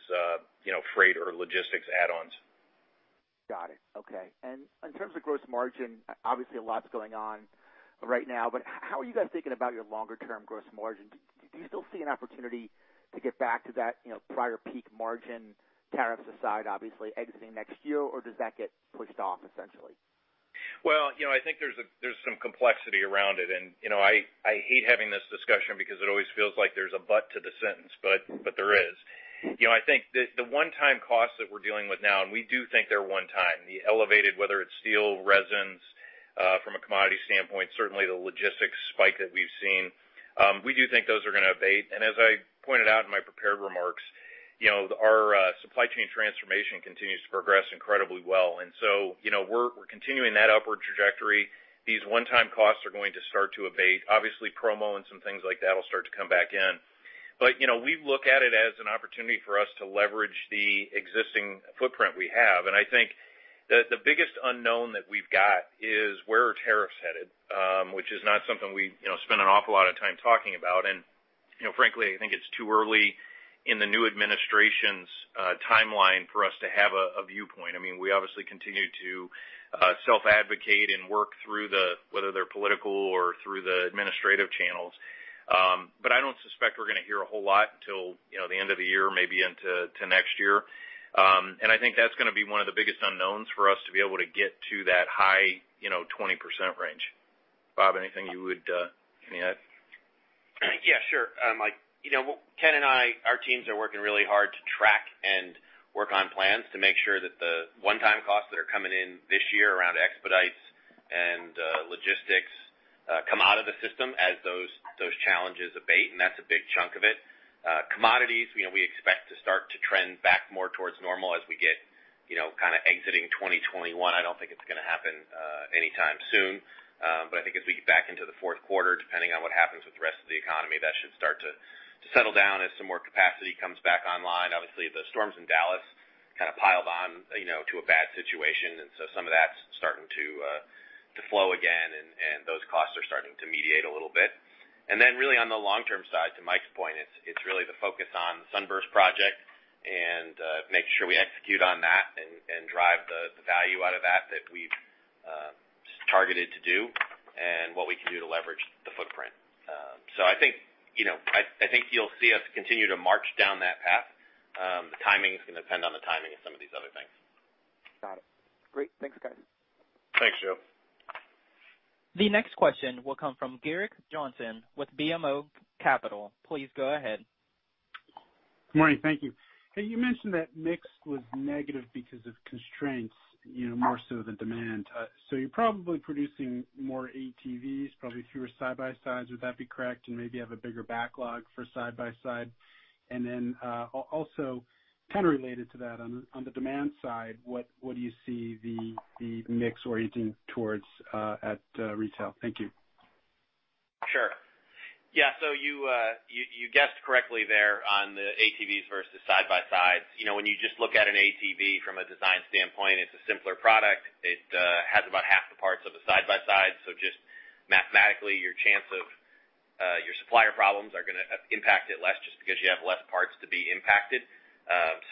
freight or logistics add-ons. Got it. Okay. In terms of gross margin, obviously a lot's going on right now, but how are you guys thinking about your longer-term gross margin? Do you still see an opportunity to get back to that prior peak margin, tariffs aside, obviously exiting next year, or does that get pushed off essentially? Well, I think there's some complexity around it, and I hate having this discussion because it always feels like there's a but to the sentence, but there is. I think the one-time cost that we're dealing with now, and we do think they're one time, the elevated, whether it's steel, resins from a commodity standpoint, certainly the logistics spike that we've seen, we do think those are going to abate. As I pointed out in my prepared remarks. Our supply chain transformation continues to progress incredibly well. We're continuing that upward trajectory. These one-time costs are going to start to abate. Obviously, promo and some things like that will start to come back in. We look at it as an opportunity for us to leverage the existing footprint we have. I think that the biggest unknown that we've got is where are tariffs headed, which is not something we spend an awful lot of time talking about. Frankly, I think it's too early in the new administration's timeline for us to have a viewpoint. We obviously continue to self-advocate and work through the, whether they're political or through the administrative channels. I don't suspect we're going to hear a whole lot until the end of the year, maybe into next year. I think that's going to be one of the biggest unknowns for us to be able to get to that high 20% range. Bob, anything you would add? Yeah, sure, Mike. Ken and I, our teams are working really hard to track and work on plans to make sure that the one-time costs that are coming in this year around expedites and logistics come out of the system as those challenges abate, and that's a big chunk of it. Commodities, we expect to start to trend back more towards normal as we get exiting 2021. I don't think it's going to happen anytime soon. I think as we get back into the fourth quarter, depending on what happens with the rest of the economy, that should start to settle down as some more capacity comes back online. Obviously, the storms in Dallas kind of piled on to a bad situation. Some of that's starting to flow again, and those costs are starting to mediate a little bit. Really on the long-term side, to Mike's point, it's really the focus on the Sunburst project and making sure we execute on that and drive the value out of that which we've targeted to do and what we can do to leverage the footprint. I think you'll see us continue to march down that path. The timing is going to depend on the timing of some of these other things. Got it. Great. Thanks, guys. Thanks, Joe. The next question will come from Gerrick Johnson with BMO Capital. Please go ahead. Good morning. Thank you. Hey, you mentioned that mix was negative because of constraints, more so than demand. You're probably producing more ATVs, probably fewer side-by-sides. Would that be correct? Maybe have a bigger backlog for side-by-side. Also kind of related to that, on the demand side, what do you see the mix orienting towards at retail? Thank you. Sure. Yeah. You guessed correctly there on the ATVs versus side-by-sides. When you just look at an ATV from a design standpoint, it's a simpler product. It has about half the parts of a side-by-side. Just mathematically, your chance of your supplier problems are going to impact it less just because you have less parts to be impacted.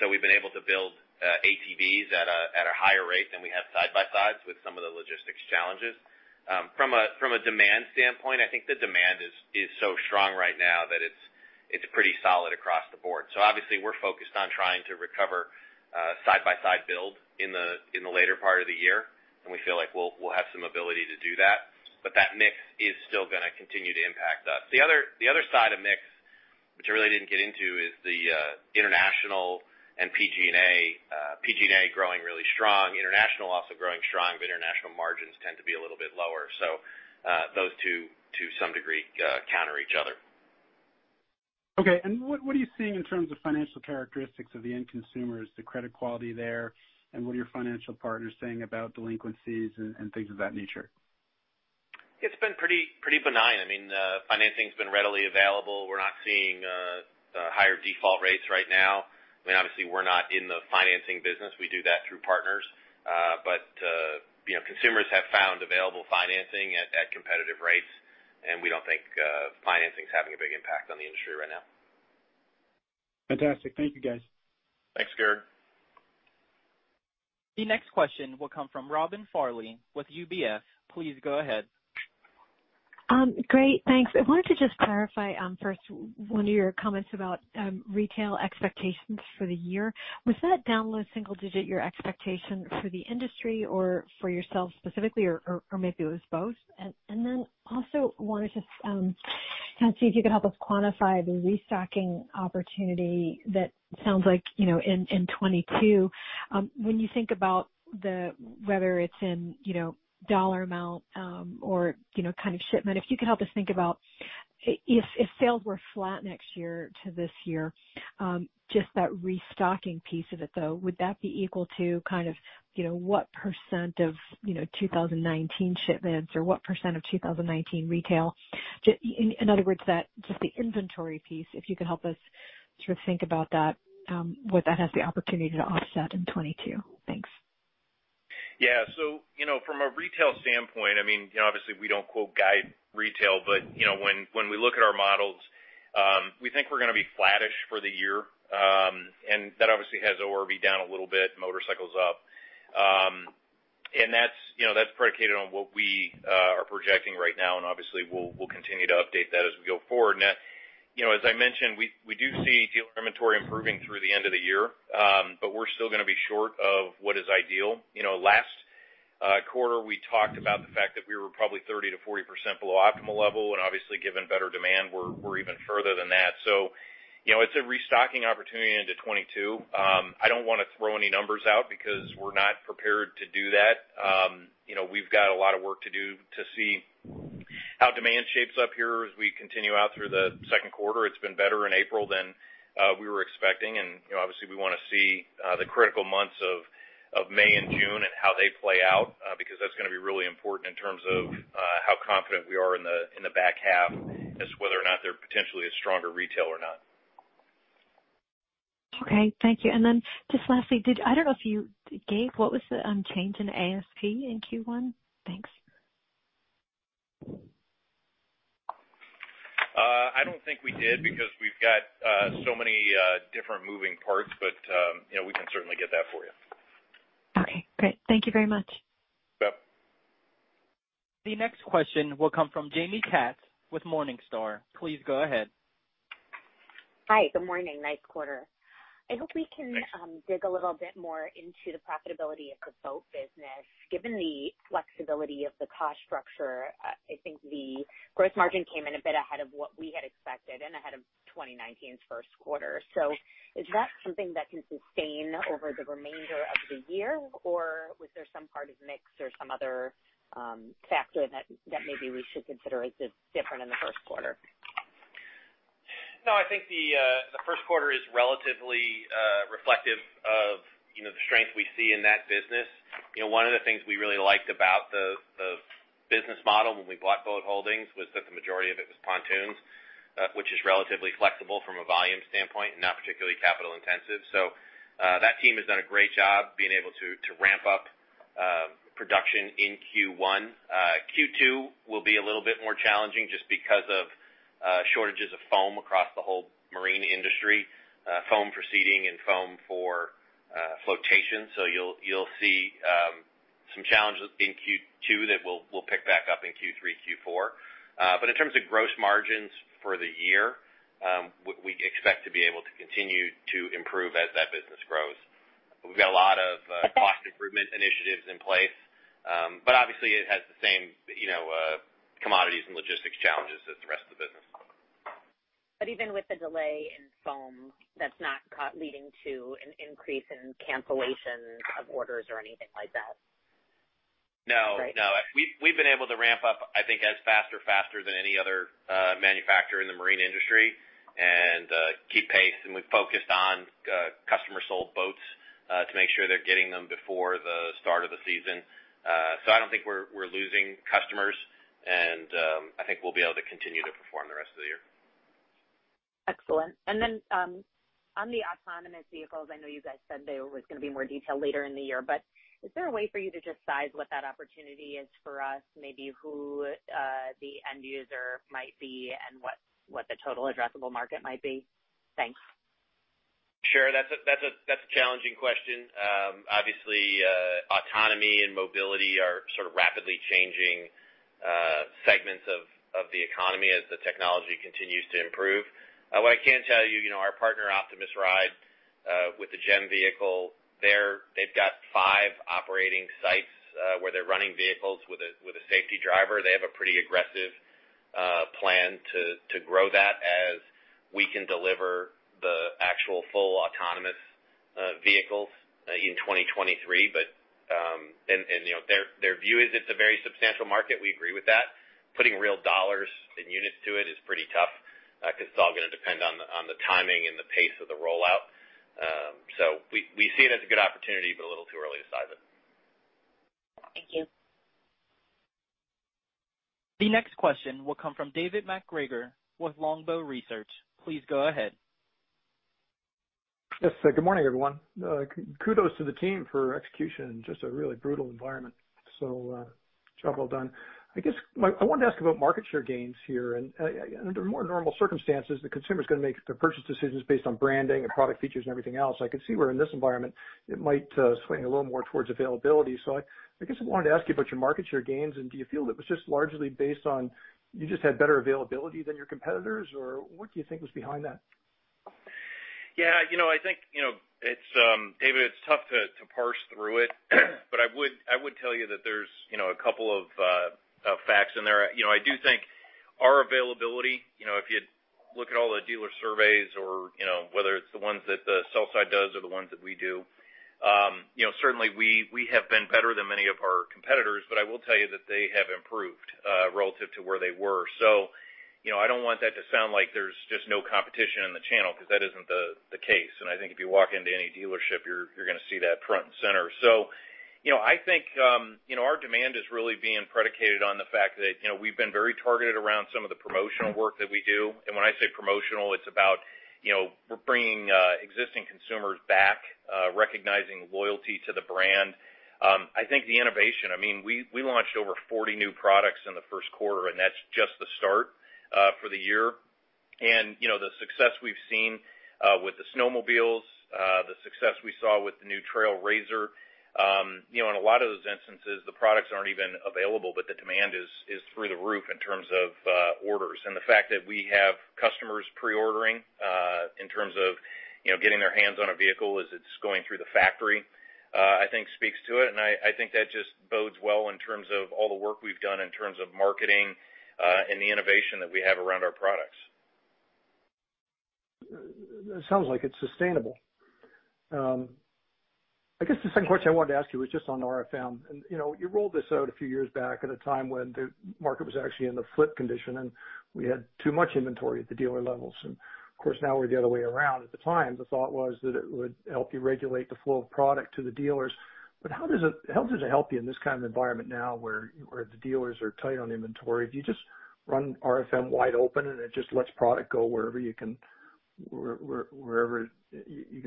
We've been able to build ATVs at a higher rate than we have side-by-sides with some of the logistics challenges. From a demand standpoint, I think the demand is so strong right now that it's pretty solid across the board. Obviously, we're focused on trying to recover side-by-side build in the later part of the year, and we feel like we'll have some ability to do that. That mix is still going to continue to impact us. The other side of mix, which I really didn't get into, is the international and PG&A. PG&A growing really strong. International also growing strong, international margins tend to be a little bit lower. Those two, to some degree, counter each other. Okay. What are you seeing in terms of financial characteristics of the end consumers, the credit quality there, and what are your financial partners saying about delinquencies and things of that nature? It's been pretty benign. Financing's been readily available. We're not seeing higher default rates right now. Obviously, we're not in the financing business. We do that through partners. Consumers have found available financing at competitive rates, and we don't think financing is having a big impact on the industry right now. Fantastic. Thank you, guys. Thanks, Gerrick. The next question will come from Robin Farley with UBS. Please go ahead. Great. Thanks. I wanted to just clarify first one of your comments about retail expectations for the year. Was that down, low single digit your expectation for the industry or for yourself specifically, or maybe it was both? Also wanted to see if you could help us quantify the restocking opportunity that sounds like in 2022. When you think about whether it's in dollar amount or kind of shipment, if you could help us think about if sales were flat next year to this year, just that restocking piece of it, though, would that be equal to what percent of 2019 shipments or what percent of 2019 retail? In other words, just the inventory piece, if you could help us sort of think about that what that has the opportunity to offset in 2022. Thanks. From a retail standpoint, obviously, we don't quote guide retail. When we look at our models, we think we're going to be flattish for the year. That obviously has ORV down a little bit, motorcycles up. That's predicated on what we are projecting right now, and obviously, we'll continue to update that as we go forward. As I mentioned, we do see dealer inventory improving through the end of the year. We're still going to be short of what is ideal. Last quarter, we talked about the fact that we were probably 30%-40% below optimal level, and obviously, given better demand, we're even further than that. It's a restocking opportunity into 2022. I don't want to throw any numbers out because we're not prepared to do that. We've got a lot of work to do to see how demand shapes up here as we continue out through the second quarter. Obviously we want to see the critical months of May and June and how they play out, because that's going to be really important in terms of how confident we are in the back half as to whether or not they're potentially a stronger retail or not. Okay. Thank you. Just lastly, I don't know if you gave what was the change in ASP in Q1? Thanks. I don't think we did because we've got so many different moving parts, but we can certainly get that for you. Okay, great. Thank you very much. Yep. The next question will come from Jaime Katz with Morningstar. Please go ahead. Hi. Good morning. Nice quarter. I hope we can dig a little bit more into the profitability of the Boat business. Given the flexibility of the cost structure, I think the gross margin came in a bit ahead of what we had expected and ahead of 2019's first quarter. Is that something that can sustain over the remainder of the year, or was there some part of mix or some other factor that maybe we should consider as different in the first quarter? No, I think the first quarter is relatively reflective of the strength we see in that business. One of the things we really liked about the business model when we bought Boat Holdings was that the majority of it was pontoons, which is relatively flexible from a volume standpoint and not particularly capital intensive. That team has done a great job being able to ramp up production in Q1. Q2 will be a little bit more challenging just because of shortages of foam across the whole marine industry, foam for seating and foam for flotation. You'll see some challenges in Q2 that we'll pick back up in Q3, Q4. In terms of gross margins for the year, we expect to be able to continue to improve as that business grows. We've got a lot of cost improvement initiatives in place. Obviously it has the same commodities and logistics challenges as the rest of the business. Even with the delay in foam, that's not leading to an increase in cancellation of orders or anything like that. No. Right. We've been able to ramp up, I think, as fast or faster than any other manufacturer in the marine industry and keep pace. We've focused on customer sold boats to make sure they're getting them before the start of the season. I don't think we're losing customers, and I think we'll be able to continue to perform the rest of the year. Excellent. On the autonomous vehicles, I know you guys said there was going to be more detail later in the year, but is there a way for you to just size what that opportunity is for us? Maybe who the end user might be and what the total addressable market might be? Thanks. Sure. That's a challenging question. Obviously, autonomy and mobility are sort of rapidly changing segments of the economy as the technology continues to improve. What I can tell you, our partner, Optimus Ride, with the GEM vehicle, they've got five operating sites where they're running vehicles with a safety driver. They have a pretty aggressive plan to grow that as we can deliver the actual full autonomous vehicles in 2023. Their view is it's a very substantial market. We agree with that. Putting real dollars and units to it is pretty tough because it's all going to depend on the timing and the pace of the rollout. We see it as a good opportunity, but a little too early to size it. Thank you. The next question will come from David MacGregor with Longbow Research. Please go ahead. Yes, good morning, everyone. Kudos to the team for execution in just a really brutal environment. Job well done. I guess I wanted to ask about market share gains here. Under more normal circumstances, the consumer's going to make their purchase decisions based on branding and product features and everything else. I can see where in this environment it might swing a little more towards availability. I guess I wanted to ask you about your market share gains, and do you feel it was just largely based on you just had better availability than your competitors, or what do you think was behind that? Yeah. David, it's tough to parse through it, but I would tell you that there's a couple of facts in there. I do think our availability, if you look at all the dealer surveys or whether it's the ones that the sell side does or the ones that we do, certainly we have been better than many of our competitors. I will tell you that they have improved relative to where they were. I don't want that to sound like there's just no competition in the channel because that isn't the case. I think if you walk into any dealership, you're going to see that front and center. I think our demand is really being predicated on the fact that we've been very targeted around some of the promotional work that we do. When I say promotional, it's about bringing existing consumers back, recognizing loyalty to the brand. I think the innovation, we launched over 40 new products in the first quarter, and that's just the start for the year. The success we've seen with the snowmobiles, the success we saw with the new Trail RZR. In a lot of those instances, the products aren't even available, but the demand is through the roof in terms of orders. The fact that we have customers pre-ordering in terms of getting their hands on a vehicle as it's going through the factory, I think speaks to it. I think that just bodes well in terms of all the work we've done in terms of marketing and the innovation that we have around our products. It sounds like it's sustainable. I guess the second question I wanted to ask you was just on RFM. You rolled this out a few years back at a time when the market was actually in the flip condition, and we had too much inventory at the dealer levels. Of course, now we're the other way around. At the time, the thought was that it would help you regulate the flow of product to the dealers. How does it help you in this kind of environment now where the dealers are tight on inventory? Do you just run RFM wide open, and it just lets product go wherever you can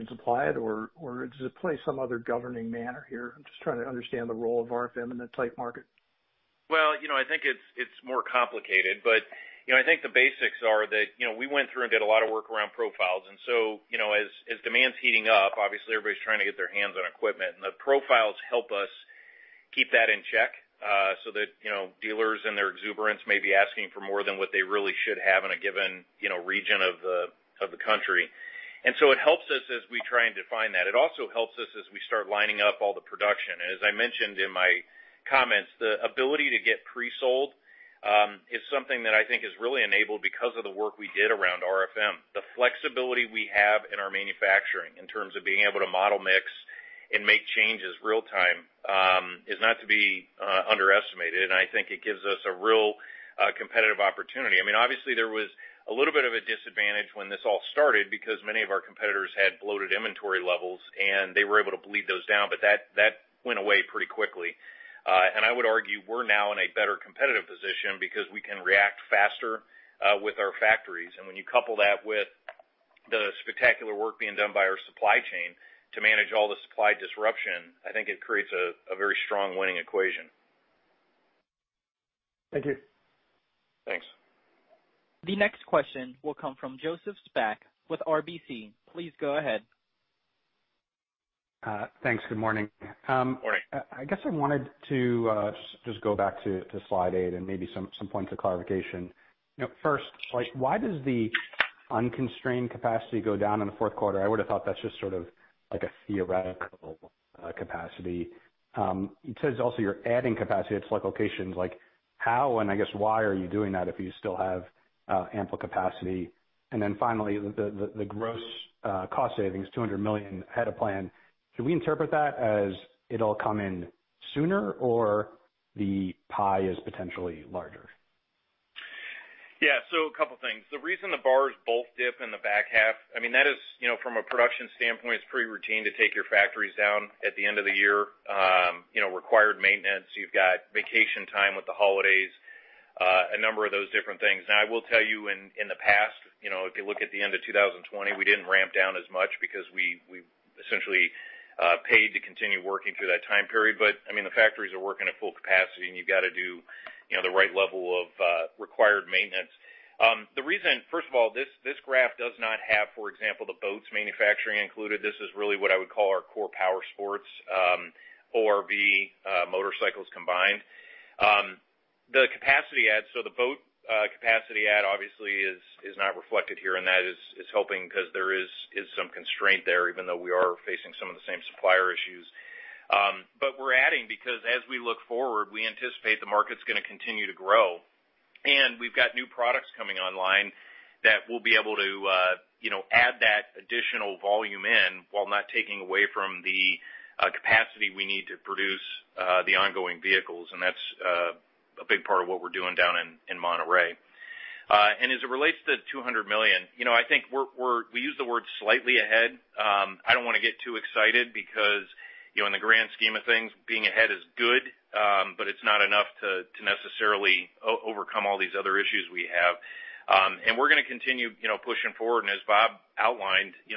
supply it, or does it play some other governing manner here? I'm just trying to understand the role of RFM in a tight market. Well, I think it's more complicated, but I think the basics are that we went through and did a lot of work around profiles. As demand's heating up, obviously everybody's trying to get their hands on equipment. The profiles help us keep that in check, so that dealers and their exuberance may be asking for more than what they really should have in a given region of the country. It helps us as we try and define that. It also helps us as we start lining up all the production. As I mentioned in my comments, the ability to get pre-sold is something that I think is really enabled because of the work we did around RFM. The flexibility we have in our manufacturing in terms of being able to model mix and make changes real time is not to be underestimated. I think it gives us a real competitive opportunity. Obviously, there was a little bit of a disadvantage when this all started because many of our competitors had bloated inventory levels and they were able to bleed those down. That went away pretty quickly. I would argue we're now in a better competitive position because we can react faster with our factories. When you couple that with the spectacular work being done by our supply chain to manage all the supply disruption, I think it creates a very strong winning equation. Thank you. Thanks. The next question will come from Joseph Spak with RBC. Please go ahead. Thanks. Good morning. Morning. I guess I wanted to just go back to slide eight and maybe some points of clarification. First, why does the unconstrained capacity go down in the fourth quarter? I would've thought that's just sort of a theoretical capacity. It says also you're adding capacity at select locations. How, and I guess why are you doing that if you still have ample capacity? Then finally, the gross cost savings, $200 million ahead of plan. Should we interpret that as it'll come in sooner, or the pie is potentially larger? A couple things. The reason the bars both dip in the back half, that is from a production standpoint, it's pretty routine to take your factories down at the end of the year. Required maintenance. You've got vacation time with the holidays, a number of those different things. I will tell you, in the past, if you look at the end of 2020, we didn't ramp down as much because we essentially paid to continue working through that time period. The factories are working at full capacity, and you've got to do the right level of required maintenance. First of all, this graph does not have, for example, the boats manufacturing included. This is really what I would call our core powersports, ORV, motorcycles combined. The capacity add, the boat capacity add obviously is not reflected here, and that is helping because there is some constraint there, even though we are facing some of the same supplier issues. We're adding because as we look forward, we anticipate the market's going to continue to grow. We've got new products coming online that we'll be able to add that additional volume in while not taking away from the capacity we need to produce the ongoing vehicles. That's a big part of what we're doing down in Monterrey. As it relates to the $200 million, I think we use the word slightly ahead. I don't want to get too excited because in the grand scheme of things, being ahead is good. It's not enough to necessarily overcome all these other issues we have. We're going to continue pushing forward. As Bob outlined, the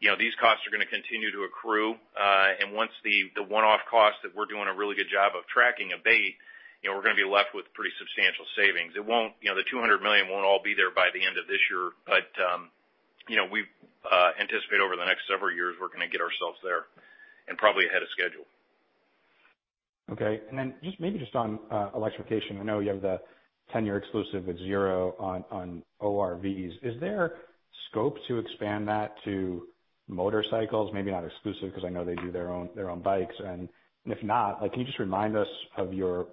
good news is that these costs are going to continue to accrue. Once the one-off costs that we're doing a really good job of tracking abate, we're going to be left with pretty substantial savings. The $200 million won't all be there by the end of this year, but we anticipate over the next several years we're going to get ourselves there and probably ahead of schedule. Okay. Just maybe just on electrification. I know you have the 10-year exclusive with Zero on ORVs. Is there scope to expand that to motorcycles? Maybe not exclusive because I know they do their own bikes. If not, can you just remind us of your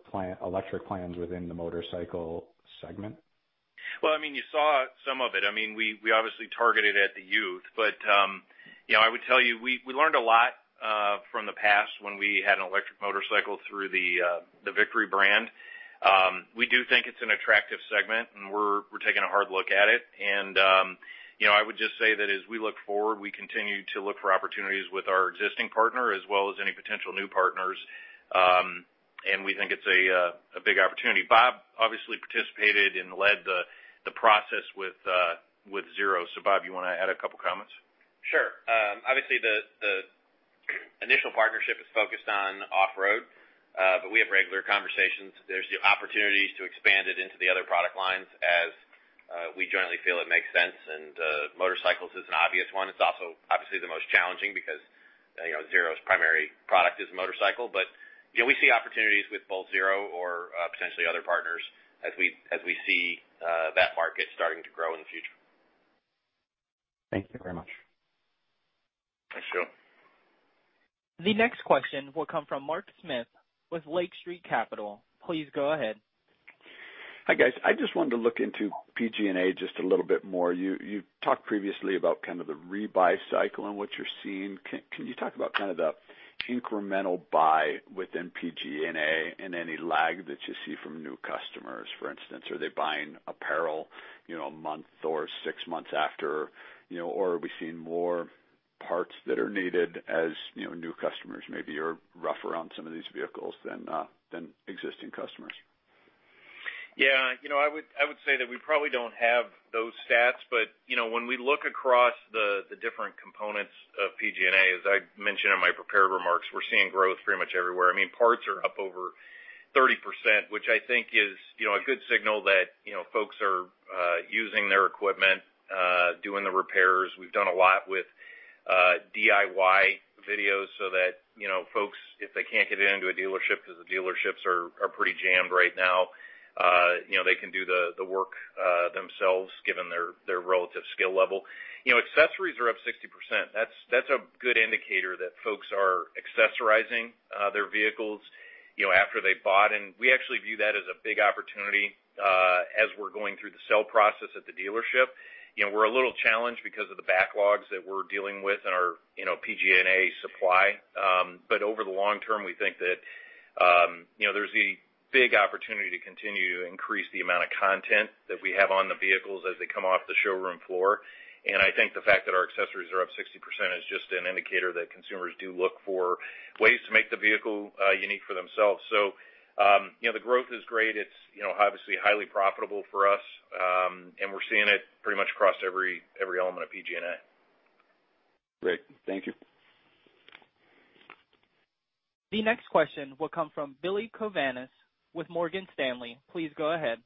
electric plans within the motorcycle segment? Well, you saw some of it. We obviously targeted at the youth. I would tell you, we learned a lot from the past when we had an electric motorcycle through the Victory brand. We do think it's an attractive segment and we're taking a hard look at it. I would just say that as we look forward, we continue to look for opportunities with our existing partner as well as any potential new partners. We think it's a big opportunity. Bob obviously participated and led the process with Zero. Bob, you want to add a couple of comments? Sure. Obviously, the initial partnership is focused on off-road. We have regular conversations. There's the opportunities to expand it into the other product lines as we jointly feel it makes sense. Motorcycles is an obvious one. It's also obviously the most challenging because Zero's primary product is a motorcycle. We see opportunities with both Zero or potentially other partners as we see that market starting to grow in the future. Thank you very much. The next question will come from Mark Smith with Lake Street Capital. Please go ahead. Hi, guys. I just wanted to look into PG&A just a little bit more. You talked previously about kind of the rebuy cycle and what you're seeing. Can you talk about kind of the incremental buy within PG&A and any lag that you see from new customers? For instance, are they buying apparel a month or six months after, or are we seeing more parts that are needed as new customers maybe are rougher on some of these vehicles than existing customers? I would say that we probably don't have those stats, but when we look across the different components of PG&A, as I mentioned in my prepared remarks, we're seeing growth pretty much everywhere. Parts are up over 30%, which I think is a good signal that folks are using their equipment, doing the repairs. We've done a lot with DIY videos so that folks, if they can't get into a dealership because the dealerships are pretty jammed right now, they can do the work themselves given their relative skill level. Accessories are up 60%. That's a good indicator that folks are accessorizing their vehicles after they've bought. We actually view that as a big opportunity as we're going through the sell process at the dealership. We're a little challenged because of the backlogs that we're dealing with in our PG&A supply. Over the long term, we think that there's a big opportunity to continue to increase the amount of content that we have on the vehicles as they come off the showroom floor. I think the fact that our accessories are up 60% is just an indicator that consumers do look for ways to make the vehicle unique for themselves. The growth is great. It's obviously highly profitable for us. We're seeing it pretty much across every element of PG&A. Great. Thank you. The next question will come from Billy Kovanis with Morgan Stanley. Please go ahead.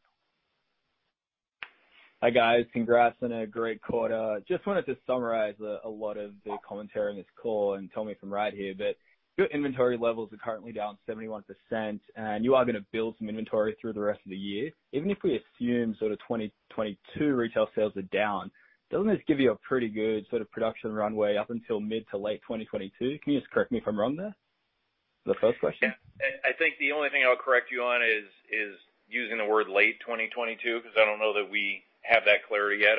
Hi, guys. Congrats on a great quarter. Just wanted to summarize a lot of the commentary on this call and tell me if I'm right here, but your inventory levels are currently down 71%, and you are going to build some inventory through the rest of the year. Even if we assume sort of 2022 retail sales are down, doesn't this give you a pretty good sort of production runway up until mid to late 2022? Can you just correct me if I'm wrong there? The first question. I think the only thing I'll correct you on is using the word late 2022 because I don't know that we have that clarity yet.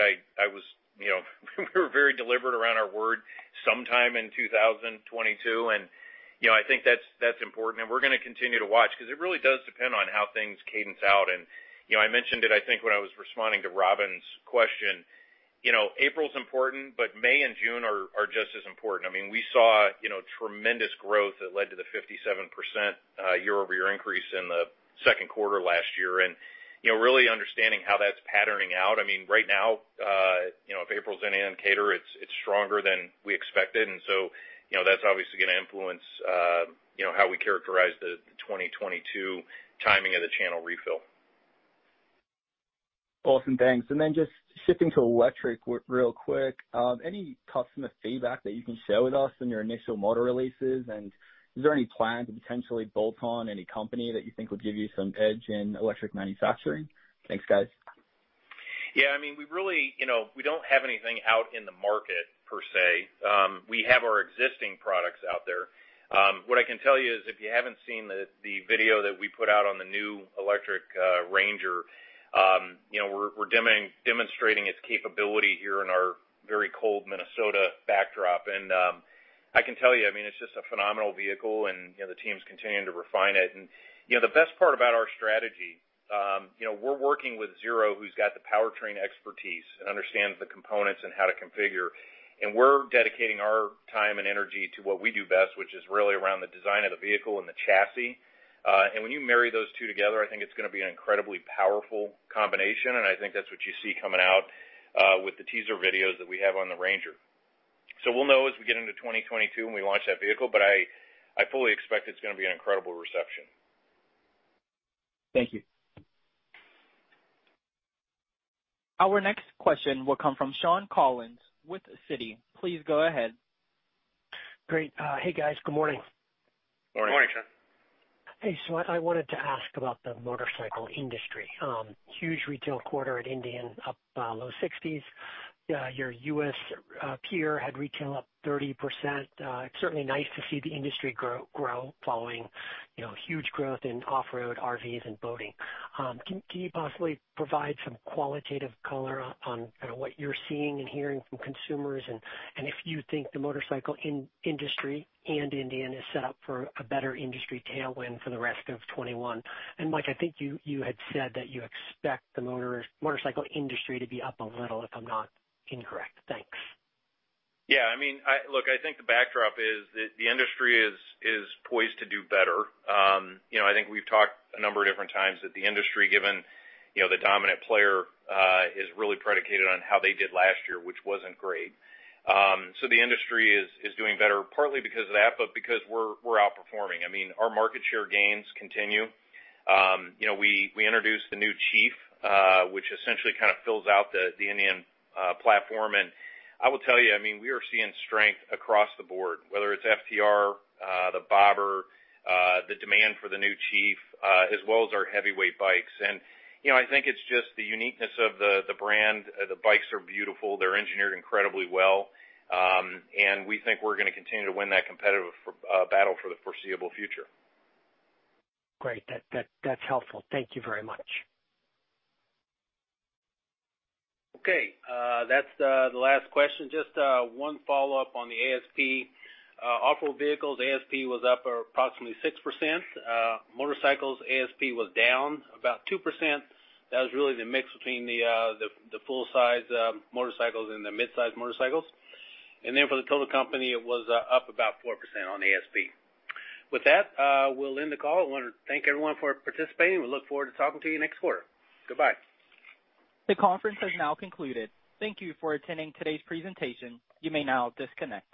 We're very deliberate around our word sometime in 2022, and I think that's important, and we're going to continue to watch because it really does depend on how things cadence out. I mentioned it, I think, when I was responding to Robin's question. April's important, May and June are just as important. We saw tremendous growth that led to the 57% year-over-year increase in the second quarter last year and really understanding how that's patterning out. Right now, if April's any indicator, it's stronger than we expected. So that's obviously going to influence how we characterize the 2022 timing of the channel refill. Awesome. Thanks. Then just shifting to electric real quick. Any customer feedback that you can share with us in your initial motor releases? Is there any plan to potentially bolt on any company that you think would give you some edge in electric manufacturing? Thanks, guys. Yeah. We don't have anything out in the market per se. We have our existing products out there. What I can tell you is if you haven't seen the video that we put out on the new electric Ranger, we're demonstrating its capability here in our very cold Minnesota backdrop. I can tell you, it's just a phenomenal vehicle, and the team's continuing to refine it. The best part about our strategy, we're working with Zero, who's got the powertrain expertise and understands the components and how to configure. We're dedicating our time and energy to what we do best, which is really around the design of the vehicle and the chassis. When you marry those two together, I think it's going to be an incredibly powerful combination, and I think that's what you see coming out with the teaser videos that we have on the Ranger. We'll know as we get into 2022 when we launch that vehicle, but I fully expect it's going to be an incredible reception. Thank you. Our next question will come from Shawn Collins with Citi. Please go ahead. Great. Hey, guys. Good morning. Morning. Morning, Shawn. What I wanted to ask about the motorcycle industry. Huge retail quarter at Indian, up low 60s. Your U.S. peer had retail up 30%. It's certainly nice to see the industry grow following huge growth in off-road ORVs and boating. Can you possibly provide some qualitative color on kind of what you're seeing and hearing from consumers, and if you think the motorcycle industry and Indian is set up for a better industry tailwind for the rest of 2021? Mike, I think you had said that you expect the motorcycle industry to be up a little if I'm not incorrect. Thanks. Yeah. Look, I think the backdrop is that the industry is poised to do better. I think we've talked a number of different times that the industry, given the dominant player, is really predicated on how they did last year, which wasn't great. The industry is doing better partly because of that, but because we're outperforming. Our market share gains continue. We introduced the new Chief which essentially kind of fills out the Indian platform. I will tell you, we are seeing strength across the board, whether it's FTR, the Bobber, the demand for the new Chief, as well as our heavyweight bikes. I think it's just the uniqueness of the brand. The bikes are beautiful. They're engineered incredibly well. We think we're going to continue to win that competitive battle for the foreseeable future. Great. That's helpful. Thank you very much. Okay. That's the last question. Just one follow-up on the ASP. Off-road vehicles ASP was up approximately 6%. Motorcycles ASP was down about 2%. That was really the mix between the full size motorcycles and the mid-size motorcycles. For the total company, it was up about 4% on ASP. With that, we'll end the call. I want to thank everyone for participating. We look forward to talking to you next quarter. Goodbye. The conference has now concluded. Thank you for attending today's presentation. You may now disconnect.